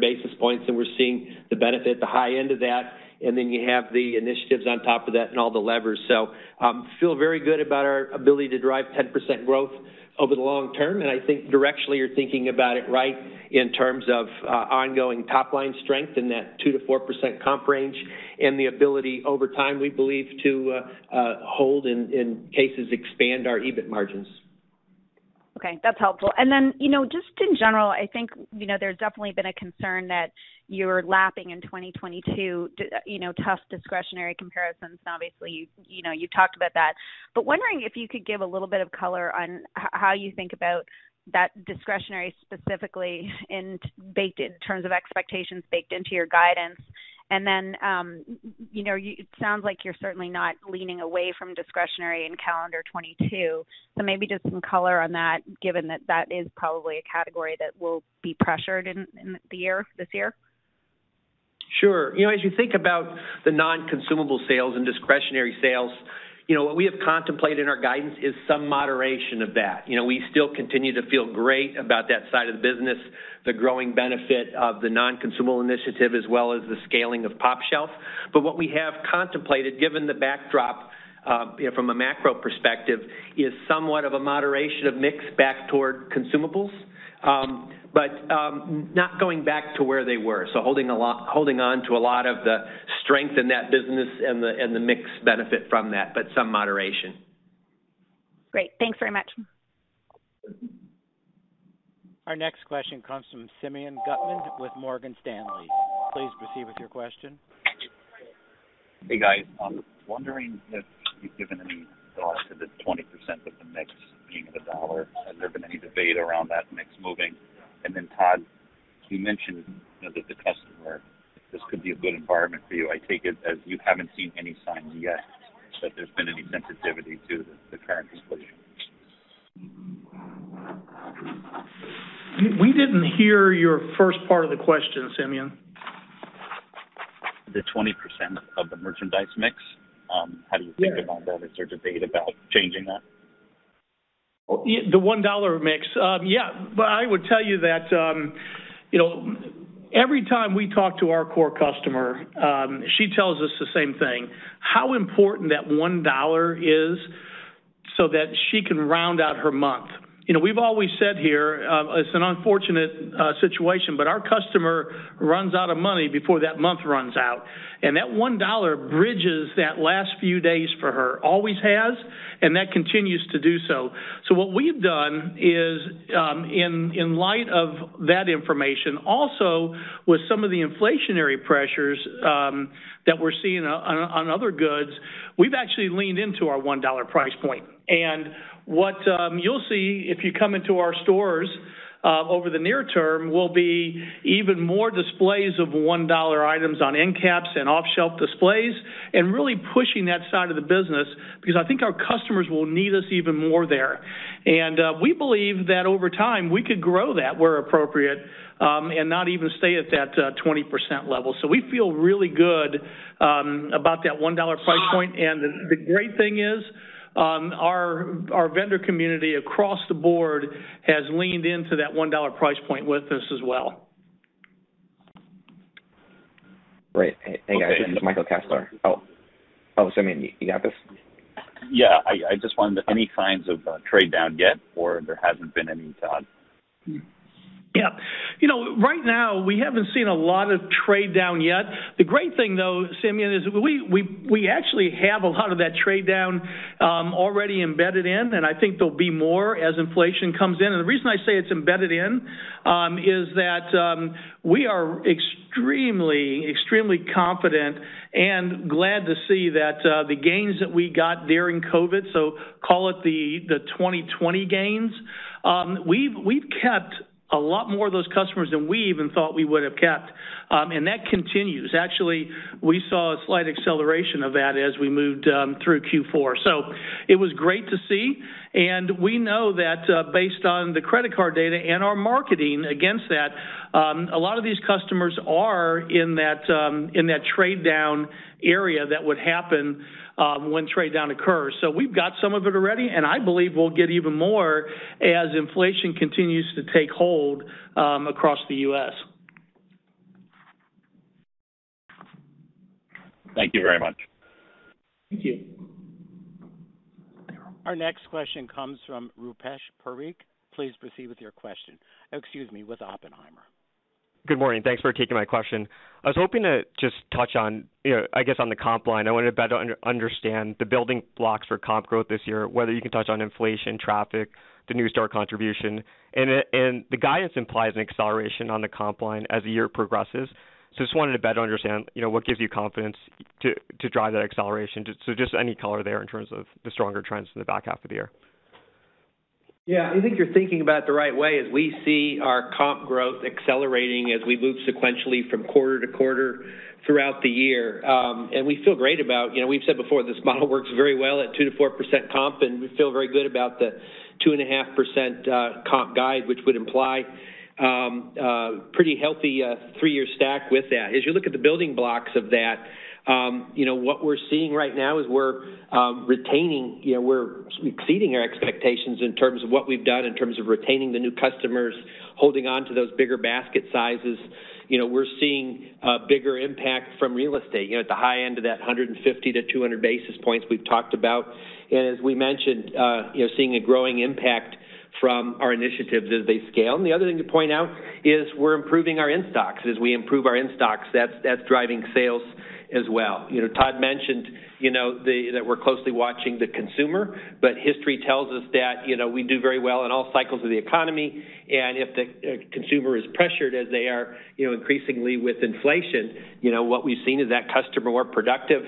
basis points, and we're seeing the benefit, the high end of that, and then you have the initiatives on top of that and all the levers. I feel very good about our ability to drive 10% growth over the long term. I think directionally you're thinking about it right in terms of ongoing top line strength in that 2%-4% comp range and the ability over time, we believe, to hold and cases expand our EBIT margins. Okay, that's helpful. You know, just in general, I think, you know, there's definitely been a concern that you're lapping in 2022, you know, tough discretionary comparisons. Obviously, you know, you talked about that. Wondering if you could give a little bit of color on how you think about that discretionary specifically and baked in terms of expectations, baked into your guidance. You know, it sounds like you're certainly not leaning away from discretionary in calendar 2022. Maybe just some color on that, given that that is probably a category that will be pressured in the year, this year. Sure. You know, as you think about the non-consumable sales and discretionary sales, you know, what we have contemplated in our guidance is some moderation of that. You know, we still continue to feel great about that side of the business, the growing benefit of the non-consumable initiative, as well as the scaling of pOpshelf. But what we have contemplated, given the backdrop, you know, from a macro perspective, is somewhat of a moderation of mix back toward consumables, but not going back to where they were. So holding on to a lot of the strength in that business and the mix benefit from that, but some moderation. Great. Thanks very much. Our next question comes from Simeon Gutman with Morgan Stanley. Please proceed with your question. Hey, guys. Wondering if you've given any thought to the 20% of the mix being at $1. Has there been any debate around that mix moving? Todd, you mentioned that the customer, this could be a good environment for you. I take it as you haven't seen any signs yet that there's been any sensitivity to the current inflation. We didn't hear your first part of the question, Simeon. The 20% of the merchandise mix, how do you think about that? Is there debate about changing that? The one dollar mix. Yeah, but I would tell you that, you know, every time we talk to our core customer, she tells us the same thing, how important that one dollar is so that she can round out her month. You know, we've always said here, it's an unfortunate situation, but our customer runs out of money before that month runs out. That one dollar bridges that last few days for her. Always has, and that continues to do so. What we've done is, in light of that information, also with some of the inflationary pressures that we're seeing on other goods, we've actually leaned into our one dollar price point. What you'll see if you come into our stores over the near term will be even more displays of $1 items on end caps and off shelf displays, and really pushing that side of the business because I think our customers will need us even more there. We believe that over time, we could grow that where appropriate, and not even stay at that 20% level. We feel really good about that $1 price point. The great thing is, our vendor community across the board has leaned into that $1 price point with us as well. Great. Hey, guys. This is Michael Lasser. Simeon, you got this? Yeah. I just wondered if there are any signs of trade down yet or there hasn't been any, Todd? Yeah. You know, right now, we haven't seen a lot of trade down yet. The great thing, though, Simeon, is we actually have a lot of that trade down already embedded in, and I think there'll be more as inflation comes in. The reason I say it's embedded in is that we are extremely confident and glad to see that the gains that we got during COVID, so call it the 2020 gains, we've kept a lot more of those customers than we even thought we would have kept, and that continues. Actually, we saw a slight acceleration of that as we moved through Q4. It was great to see, and we know that, based on the credit card data and our marketing against that, a lot of these customers are in that trade down area that would happen, when trade down occurs. We've got some of it already, and I believe we'll get even more as inflation continues to take hold, across the U.S. Thank you very much. Thank you. Our next question comes from Rupesh Parikh. Please proceed with your question. Excuse me, with Oppenheimer. Good morning. Thanks for taking my question. I was hoping to just touch on, you know, I guess, on the comp line. I wanted to better understand the building blocks for comp growth this year, whether you can touch on inflation, traffic, the new store contribution. The guidance implies an acceleration on the comp line as the year progresses. Just wanted to better understand, you know, what gives you confidence to drive that acceleration. Just any color there in terms of the stronger trends in the back half of the year? Yeah. I think you're thinking about it the right way as we see our comp growth accelerating as we move sequentially from quarter to quarter throughout the year. We feel great about you know, we've said before, this model works very well at 2%-4% comp, and we feel very good about the 2.5% comp guide, which would imply pretty healthy three-year stack with that. As you look at the building blocks of that, you know, what we're seeing right now is we're retaining, you know, we're exceeding our expectations in terms of what we've done in terms of retaining the new customers, holding on to those bigger basket sizes. You know, we're seeing a bigger impact from real estate, you know, at the high end of that 150-200 basis points we've talked about. As we mentioned, you know, seeing a growing impact from our initiatives as they scale. The other thing to point out is we're improving our in-stocks. As we improve our in-stocks, that's driving sales as well. You know, Todd mentioned, you know, that we're closely watching the consumer, but history tells us that, you know, we do very well in all cycles of the economy. If the consumer is pressured as they are, you know, increasingly with inflation, you know, what we've seen is that customer more productive.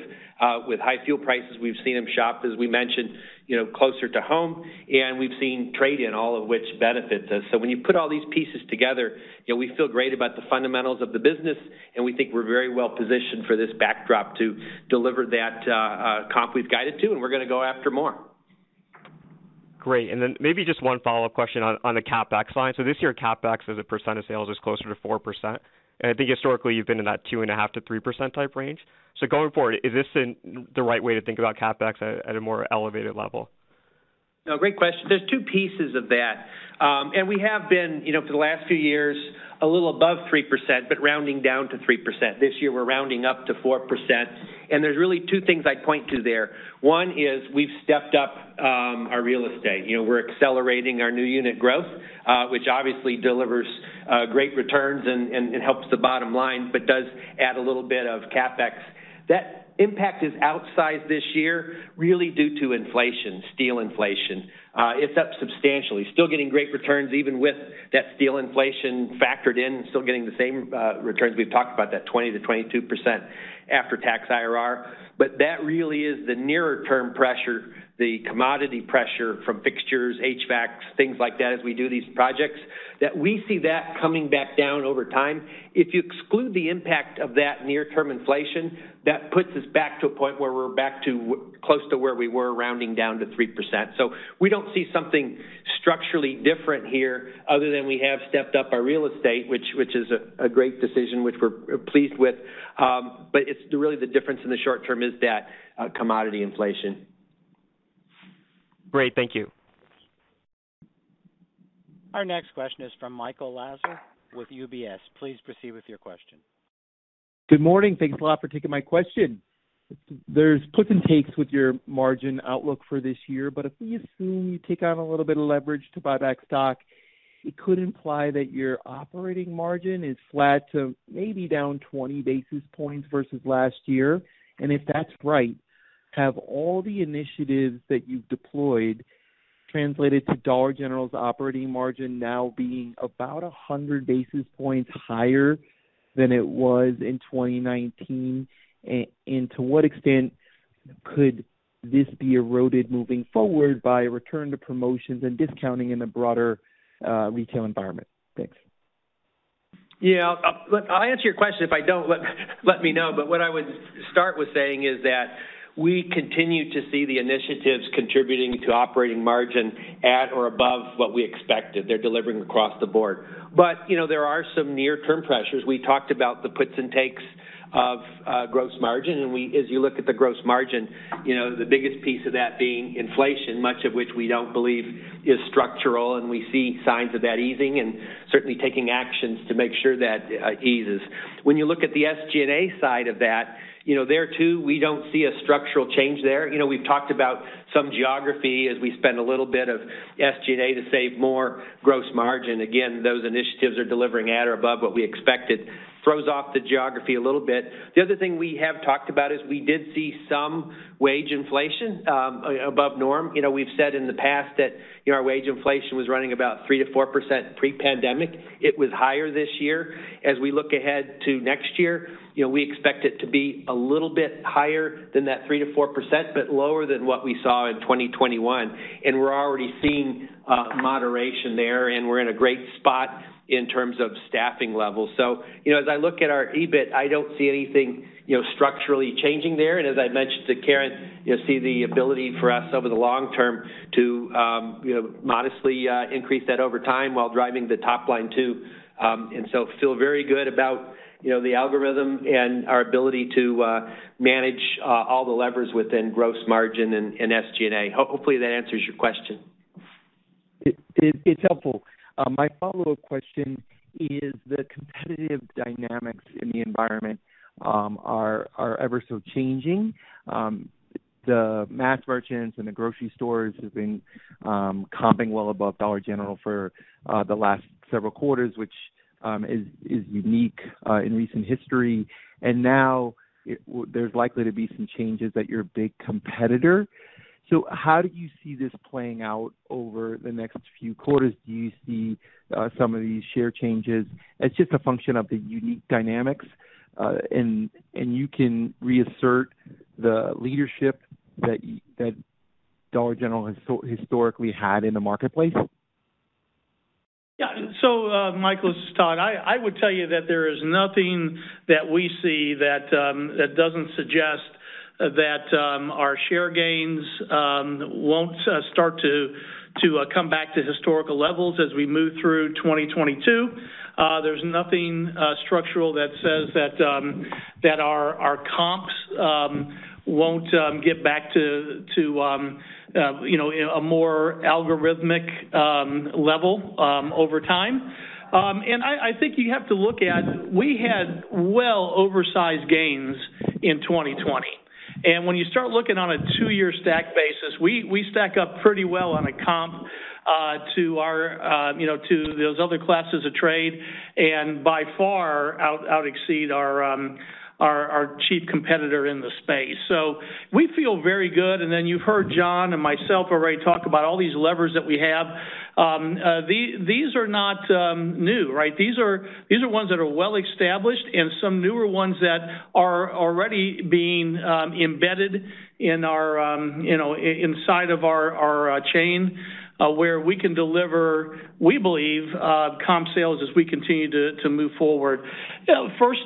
With high fuel prices, we've seen them shop, as we mentioned, you know, closer to home, and we've seen trade-in, all of which benefits us. When you put all these pieces together, you know, we feel great about the fundamentals of the business, and we think we're very well positioned for this backdrop to deliver that, comp we've guided to, and we're gonna go after more. Great. Maybe just one follow-up question on the CapEx line. This year, CapEx as a percent of sales is closer to 4%. I think historically, you've been in that 2.5%-3% type range. Going forward, is this the right way to think about CapEx at a more elevated level? No, great question. There's two pieces of that. We have been, you know, for the last few years, a little above 3%, but rounding down to 3%. This year, we're rounding up to 4%. There's really two things I'd point to there. One is we've stepped up our real estate. You know, we're accelerating our new unit growth, which obviously delivers great returns and helps the bottom line, but does add a little bit of CapEx. That impact is outsized this year, really due to inflation, steel inflation. It's up substantially. Still getting great returns, even with that steel inflation factored in, still getting the same returns. We've talked about that 20%-22% after-tax IRR. That really is the nearer term pressure, the commodity pressure from fixtures, HVACs, things like that, as we do these projects, that we see that coming back down over time. If you exclude the impact of that near-term inflation, that puts us back to a point where we're back to close to where we were rounding down to 3%. We don't see something structurally different here other than we have stepped up our real estate, which is a great decision, which we're pleased with. It's really the difference in the short term is that commodity inflation. Great. Thank you. Our next question is from Michael Lasser with UBS. Please proceed with your question. Good morning. Thanks a lot for taking my question. There's puts and takes with your margin outlook for this year, but if we assume you take on a little bit of leverage to buy back stock, it could imply that your operating margin is flat to maybe down 20 basis points versus last year. If that's right, have all the initiatives that you've deployed translated to Dollar General's operating margin now being about 100 basis points higher than it was in 2019? To what extent could this be eroded moving forward by a return to promotions and discounting in a broader, retail environment? Thanks. Yeah. Look, I'll answer your question. If I don't, let me know. What I would start with saying is that we continue to see the initiatives contributing to operating margin at or above what we expected. They're delivering across the board. You know, there are some near-term pressures. We talked about the puts and takes of gross margin, and as you look at the gross margin, you know, the biggest piece of that being inflation, much of which we don't believe is structural, and we see signs of that easing and certainly taking actions to make sure that eases. When you look at the SG&A side of that, you know, there, too, we don't see a structural change there. You know, we've talked about some geography as we spend a little bit of SG&A to save more gross margin. Again, those initiatives are delivering at or above what we expected. Throws off the geography a little bit. The other thing we have talked about is we did see some wage inflation above norm. You know, we've said in the past that, you know, our wage inflation was running about 3%-4% pre-pandemic. It was higher this year. As we look ahead to next year, you know, we expect it to be a little bit higher than that 3%-4%, but lower than what we saw in 2021. We're already seeing moderation there, and we're in a great spot. In terms of staffing levels. You know, as I look at our EBIT, I don't see anything, you know, structurally changing there. As I mentioned to Karen, you'll see the ability for us over the long term to, you know, modestly increase that over time while driving the top line too. I feel very good about, you know, the algorithm and our ability to manage all the levers within gross margin and SG&A. Hopefully that answers your question. It's helpful. My follow-up question is the competitive dynamics in the environment are ever so changing. The mass merchants and the grocery stores have been comping well above Dollar General for the last several quarters, which is unique in recent history. There's likely to be some changes at your big competitor. How do you see this playing out over the next few quarters? Do you see some of these share changes as just a function of the unique dynamics, and you can reassert the leadership that that Dollar General has so historically had in the marketplace? Yeah. Michael, this is Todd. I would tell you that there is nothing that we see that doesn't suggest that our share gains won't start to come back to historical levels as we move through 2022. There's nothing structural that says that our comps won't get back to you know, a more algorithmic level over time. I think you have to look at. We had well oversized gains in 2020. When you start looking on a two-year stack basis, we stack up pretty well on a comp to you know to those other classes of trade, and by far out exceed our chief competitor in the space. We feel very good. Then you've heard John and myself already talk about all these levers that we have. These are not new, right? These are ones that are well established and some newer ones that are already being embedded in our, you know, inside of our chain, where we can deliver, we believe, comp sales as we continue to move forward. First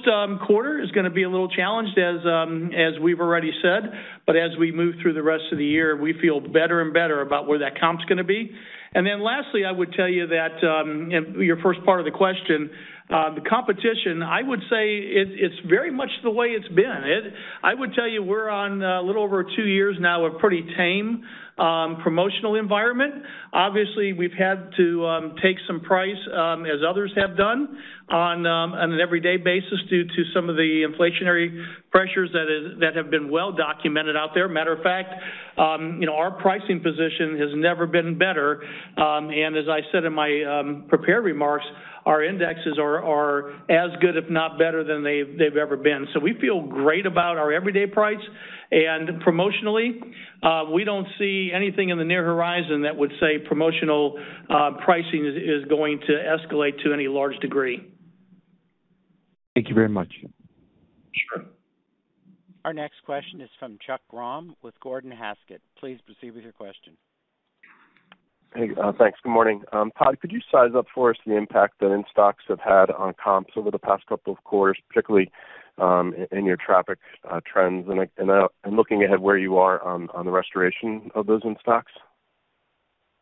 quarter is gonna be a little challenged as we've already said. As we move through the rest of the year, we feel better and better about where that comp's gonna be. Lastly, I would tell you that, your first part of the question, the competition, I would say it's very much the way it's been. I would tell you we're on a little over two years now, a pretty tame promotional environment. Obviously, we've had to take some price as others have done on an everyday basis due to some of the inflationary pressures that have been well documented out there. Matter of fact, you know, our pricing position has never been better. As I said in my prepared remarks, our indexes are as good, if not better than they've ever been. We feel great about our everyday price. Promotionally, we don't see anything in the near horizon that would say promotional pricing is going to escalate to any large degree. Thank you very much. Sure. Our next question is from Chuck Grom with Gordon Haskett. Please proceed with your question. Hey, thanks. Good morning. Todd, could you size up for us the impact that in-stocks have had on comps over the past couple of quarters, particularly in your traffic trends? I'm looking ahead where you are on the restoration of those in-stocks.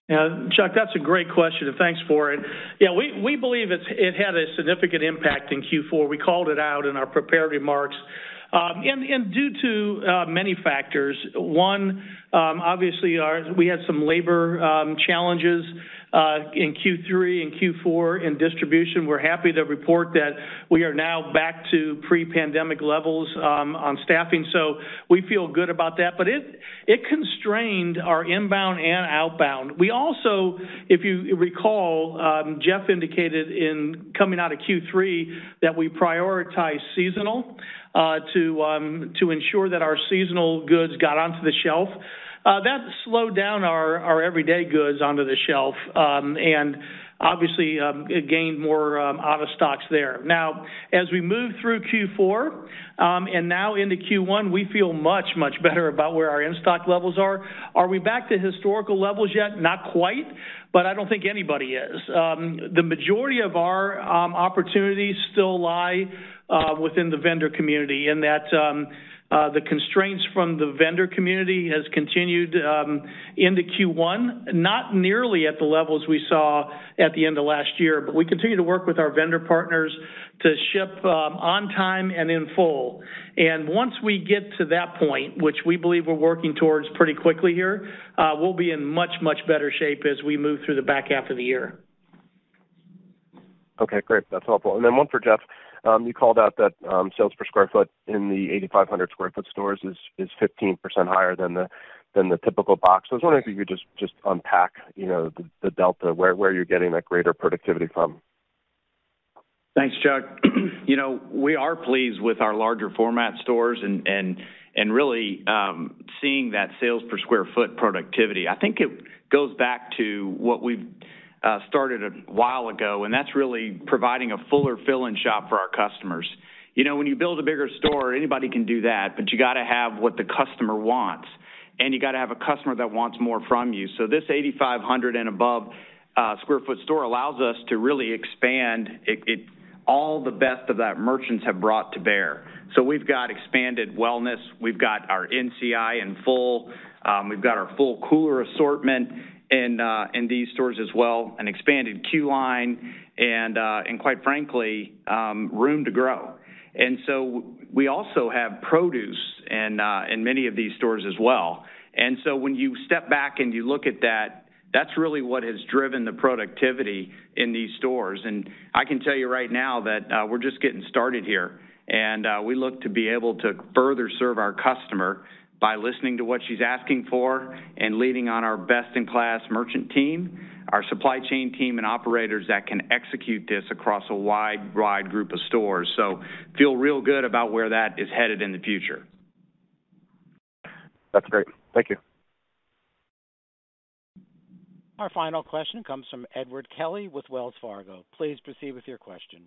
Yeah, Chuck, that's a great question, and thanks for it. Yeah, we believe it had a significant impact in Q4. We called it out in our prepared remarks due to many factors. One, obviously, we had some labor challenges in Q3 and Q4 in distribution. We're happy to report that we are now back to pre-pandemic levels on staffing, so we feel good about that. It constrained our inbound and outbound. We also, if you recall, Jeff indicated in coming out of Q3 that we prioritize seasonal to ensure that our seasonal goods got onto the shelf. That slowed down our everyday goods onto the shelf. Obviously, it led to more out-of-stocks there. Now, as we move through Q4 and now into Q1, we feel much, much better about where our in-stock levels are. Are we back to historical levels yet? Not quite. I don't think anybody is. The majority of our opportunities still lie within the vendor community in that the constraints from the vendor community has continued into Q1, not nearly at the levels we saw at the end of last year. We continue to work with our vendor partners to ship on time and in full. Once we get to that point, which we believe we're working towards pretty quickly here, we'll be in much, much better shape as we move through the back half of the year. Okay, great. That's helpful. One for Jeff. You called out that sales per square foot in the 8,500 sq ft stores is 15% higher than the typical box. I was wondering if you could just unpack, you know, the delta, where you're getting that greater productivity from. Thanks, Chuck. You know, we are pleased with our larger format stores and really seeing that sales per square foot productivity. I think it goes back to what we've started a while ago, and that's really providing a fuller fill-in shop for our customers. You know, when you build a bigger store, anybody can do that, but you gotta have what the customer wants. You got to have a customer that wants more from you. This 8,500 and above sq ft store allows us to really expand all the best of those merchants have brought to bear. We've got expanded wellness. We've got our NCI in full. We've got our full cooler assortment in these stores as well, an expanded queue line and quite frankly room to grow. We also have produce in many of these stores as well. When you step back and you look at that's really what has driven the productivity in these stores. I can tell you right now that we're just getting started here, and we look to be able to further serve our customer by listening to what she's asking for and leading on our best-in-class merchant team, our supply chain team and operators that can execute this across a wide group of stores. We feel real good about where that is headed in the future. That's great. Thank you. Our final question comes from Edward Kelly with Wells Fargo. Please proceed with your question.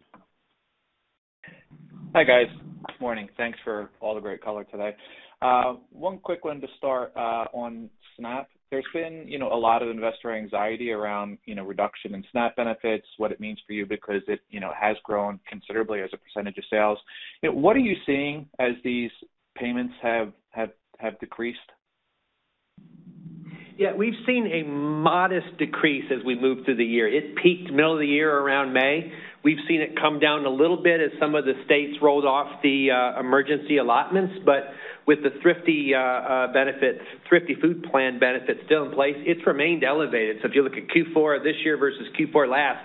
Hi, guys. Good morning. Thanks for all the great color today. One quick one to start on SNAP. There's been, you know, a lot of investor anxiety around, you know, reduction in SNAP benefits, what it means for you because it, you know, has grown considerably as a percentage of sales. What are you seeing as these payments have decreased? Yeah, we've seen a modest decrease as we move through the year. It peaked middle of the year around May. We've seen it come down a little bit as some of the states rolled off the emergency allotments. With the Thrifty Food Plan benefit still in place, it's remained elevated. If you look at Q4 this year versus Q4 last,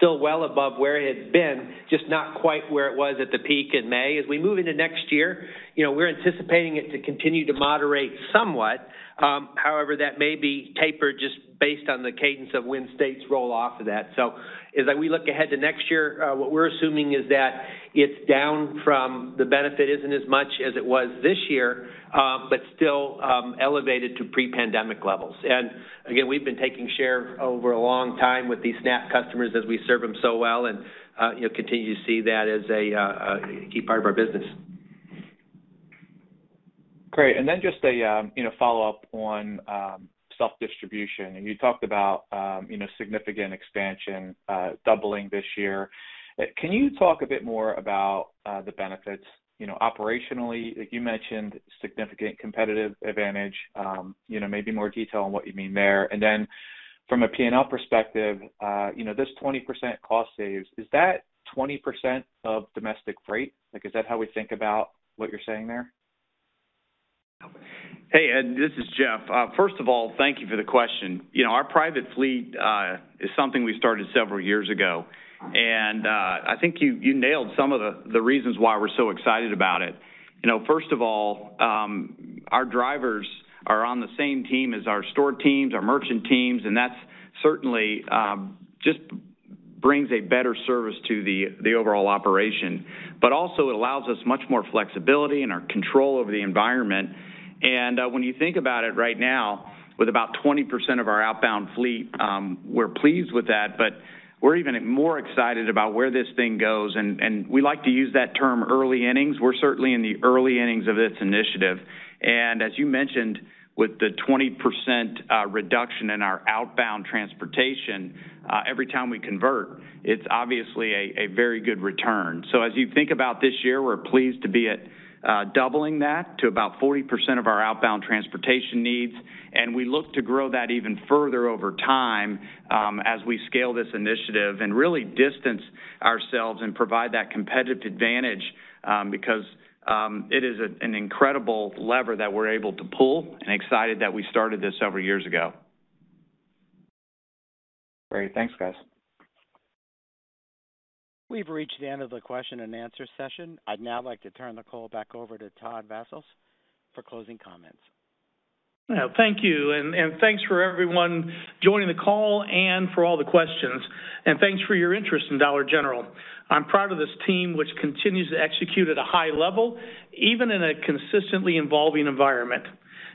still well above where it had been, just not quite where it was at the peak in May. As we move into next year, you know, we're anticipating it to continue to moderate somewhat. However, that may be tapered just based on the cadence of when states roll off of that. As we look ahead to next year, what we're assuming is that the benefit isn't as much as it was this year, but still elevated to pre-pandemic levels. Again, we've been taking share over a long time with these SNAP customers as we serve them so well and you'll continue to see that as a key part of our business. Great. Just a, you know, follow-up on self-distribution. You talked about, you know, significant expansion, doubling this year. Can you talk a bit more about the benefits, you know, operationally? You mentioned significant competitive advantage, you know, maybe more detail on what you mean there. From a P&L perspective, you know, this 20% cost savings, is that 20% of domestic freight? Like, is that how we think about what you're saying there? Hey, Ed, this is Jeff. First of all, thank you for the question. You know, our private fleet is something we started several years ago, and I think you nailed some of the reasons why we're so excited about it. You know, first of all, our drivers are on the same team as our store teams, our merchant teams, and that certainly just brings a better service to the overall operation. Also it allows us much more flexibility and our control over the environment. When you think about it right now, with about 20% of our outbound fleet, we're pleased with that, but we're even more excited about where this thing goes, and we like to use that term early innings. We're certainly in the early innings of this initiative. As you mentioned, with the 20% reduction in our outbound transportation, every time we convert, it's obviously a very good return. As you think about this year, we're pleased to be at doubling that to about 40% of our outbound transportation needs, and we look to grow that even further over time, as we scale this initiative and really distance ourselves and provide that competitive advantage, because it is an incredible lever that we're able to pull and excited that we started this several years ago. Great. Thanks, guys. We've reached the end of the question and answer session. I'd now like to turn the call back over to Todd Vasos for closing comments. Well, thank you. Thanks for everyone joining the call and for all the questions. Thanks for your interest in Dollar General. I'm proud of this team which continues to execute at a high level, even in a consistently evolving environment.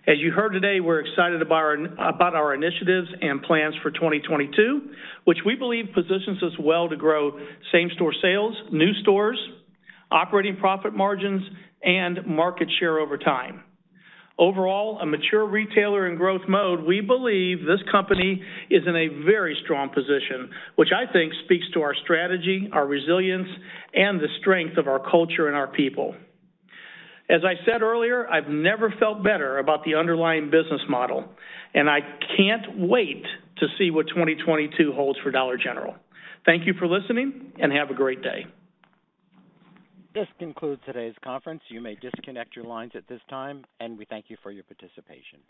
As you heard today, we're excited about our initiatives and plans for 2022, which we believe positions us well to grow same-store sales, new stores, operating profit margins, and market share over time. Overall, a mature retailer in growth mode, we believe this company is in a very strong position, which I think speaks to our strategy, our resilience, and the strength of our culture and our people. As I said earlier, I've never felt better about the underlying business model, and I can't wait to see what 2022 holds for Dollar General. Thank you for listening, and have a great day. This concludes today's conference. You may disconnect your lines at this time, and we thank you for your participation.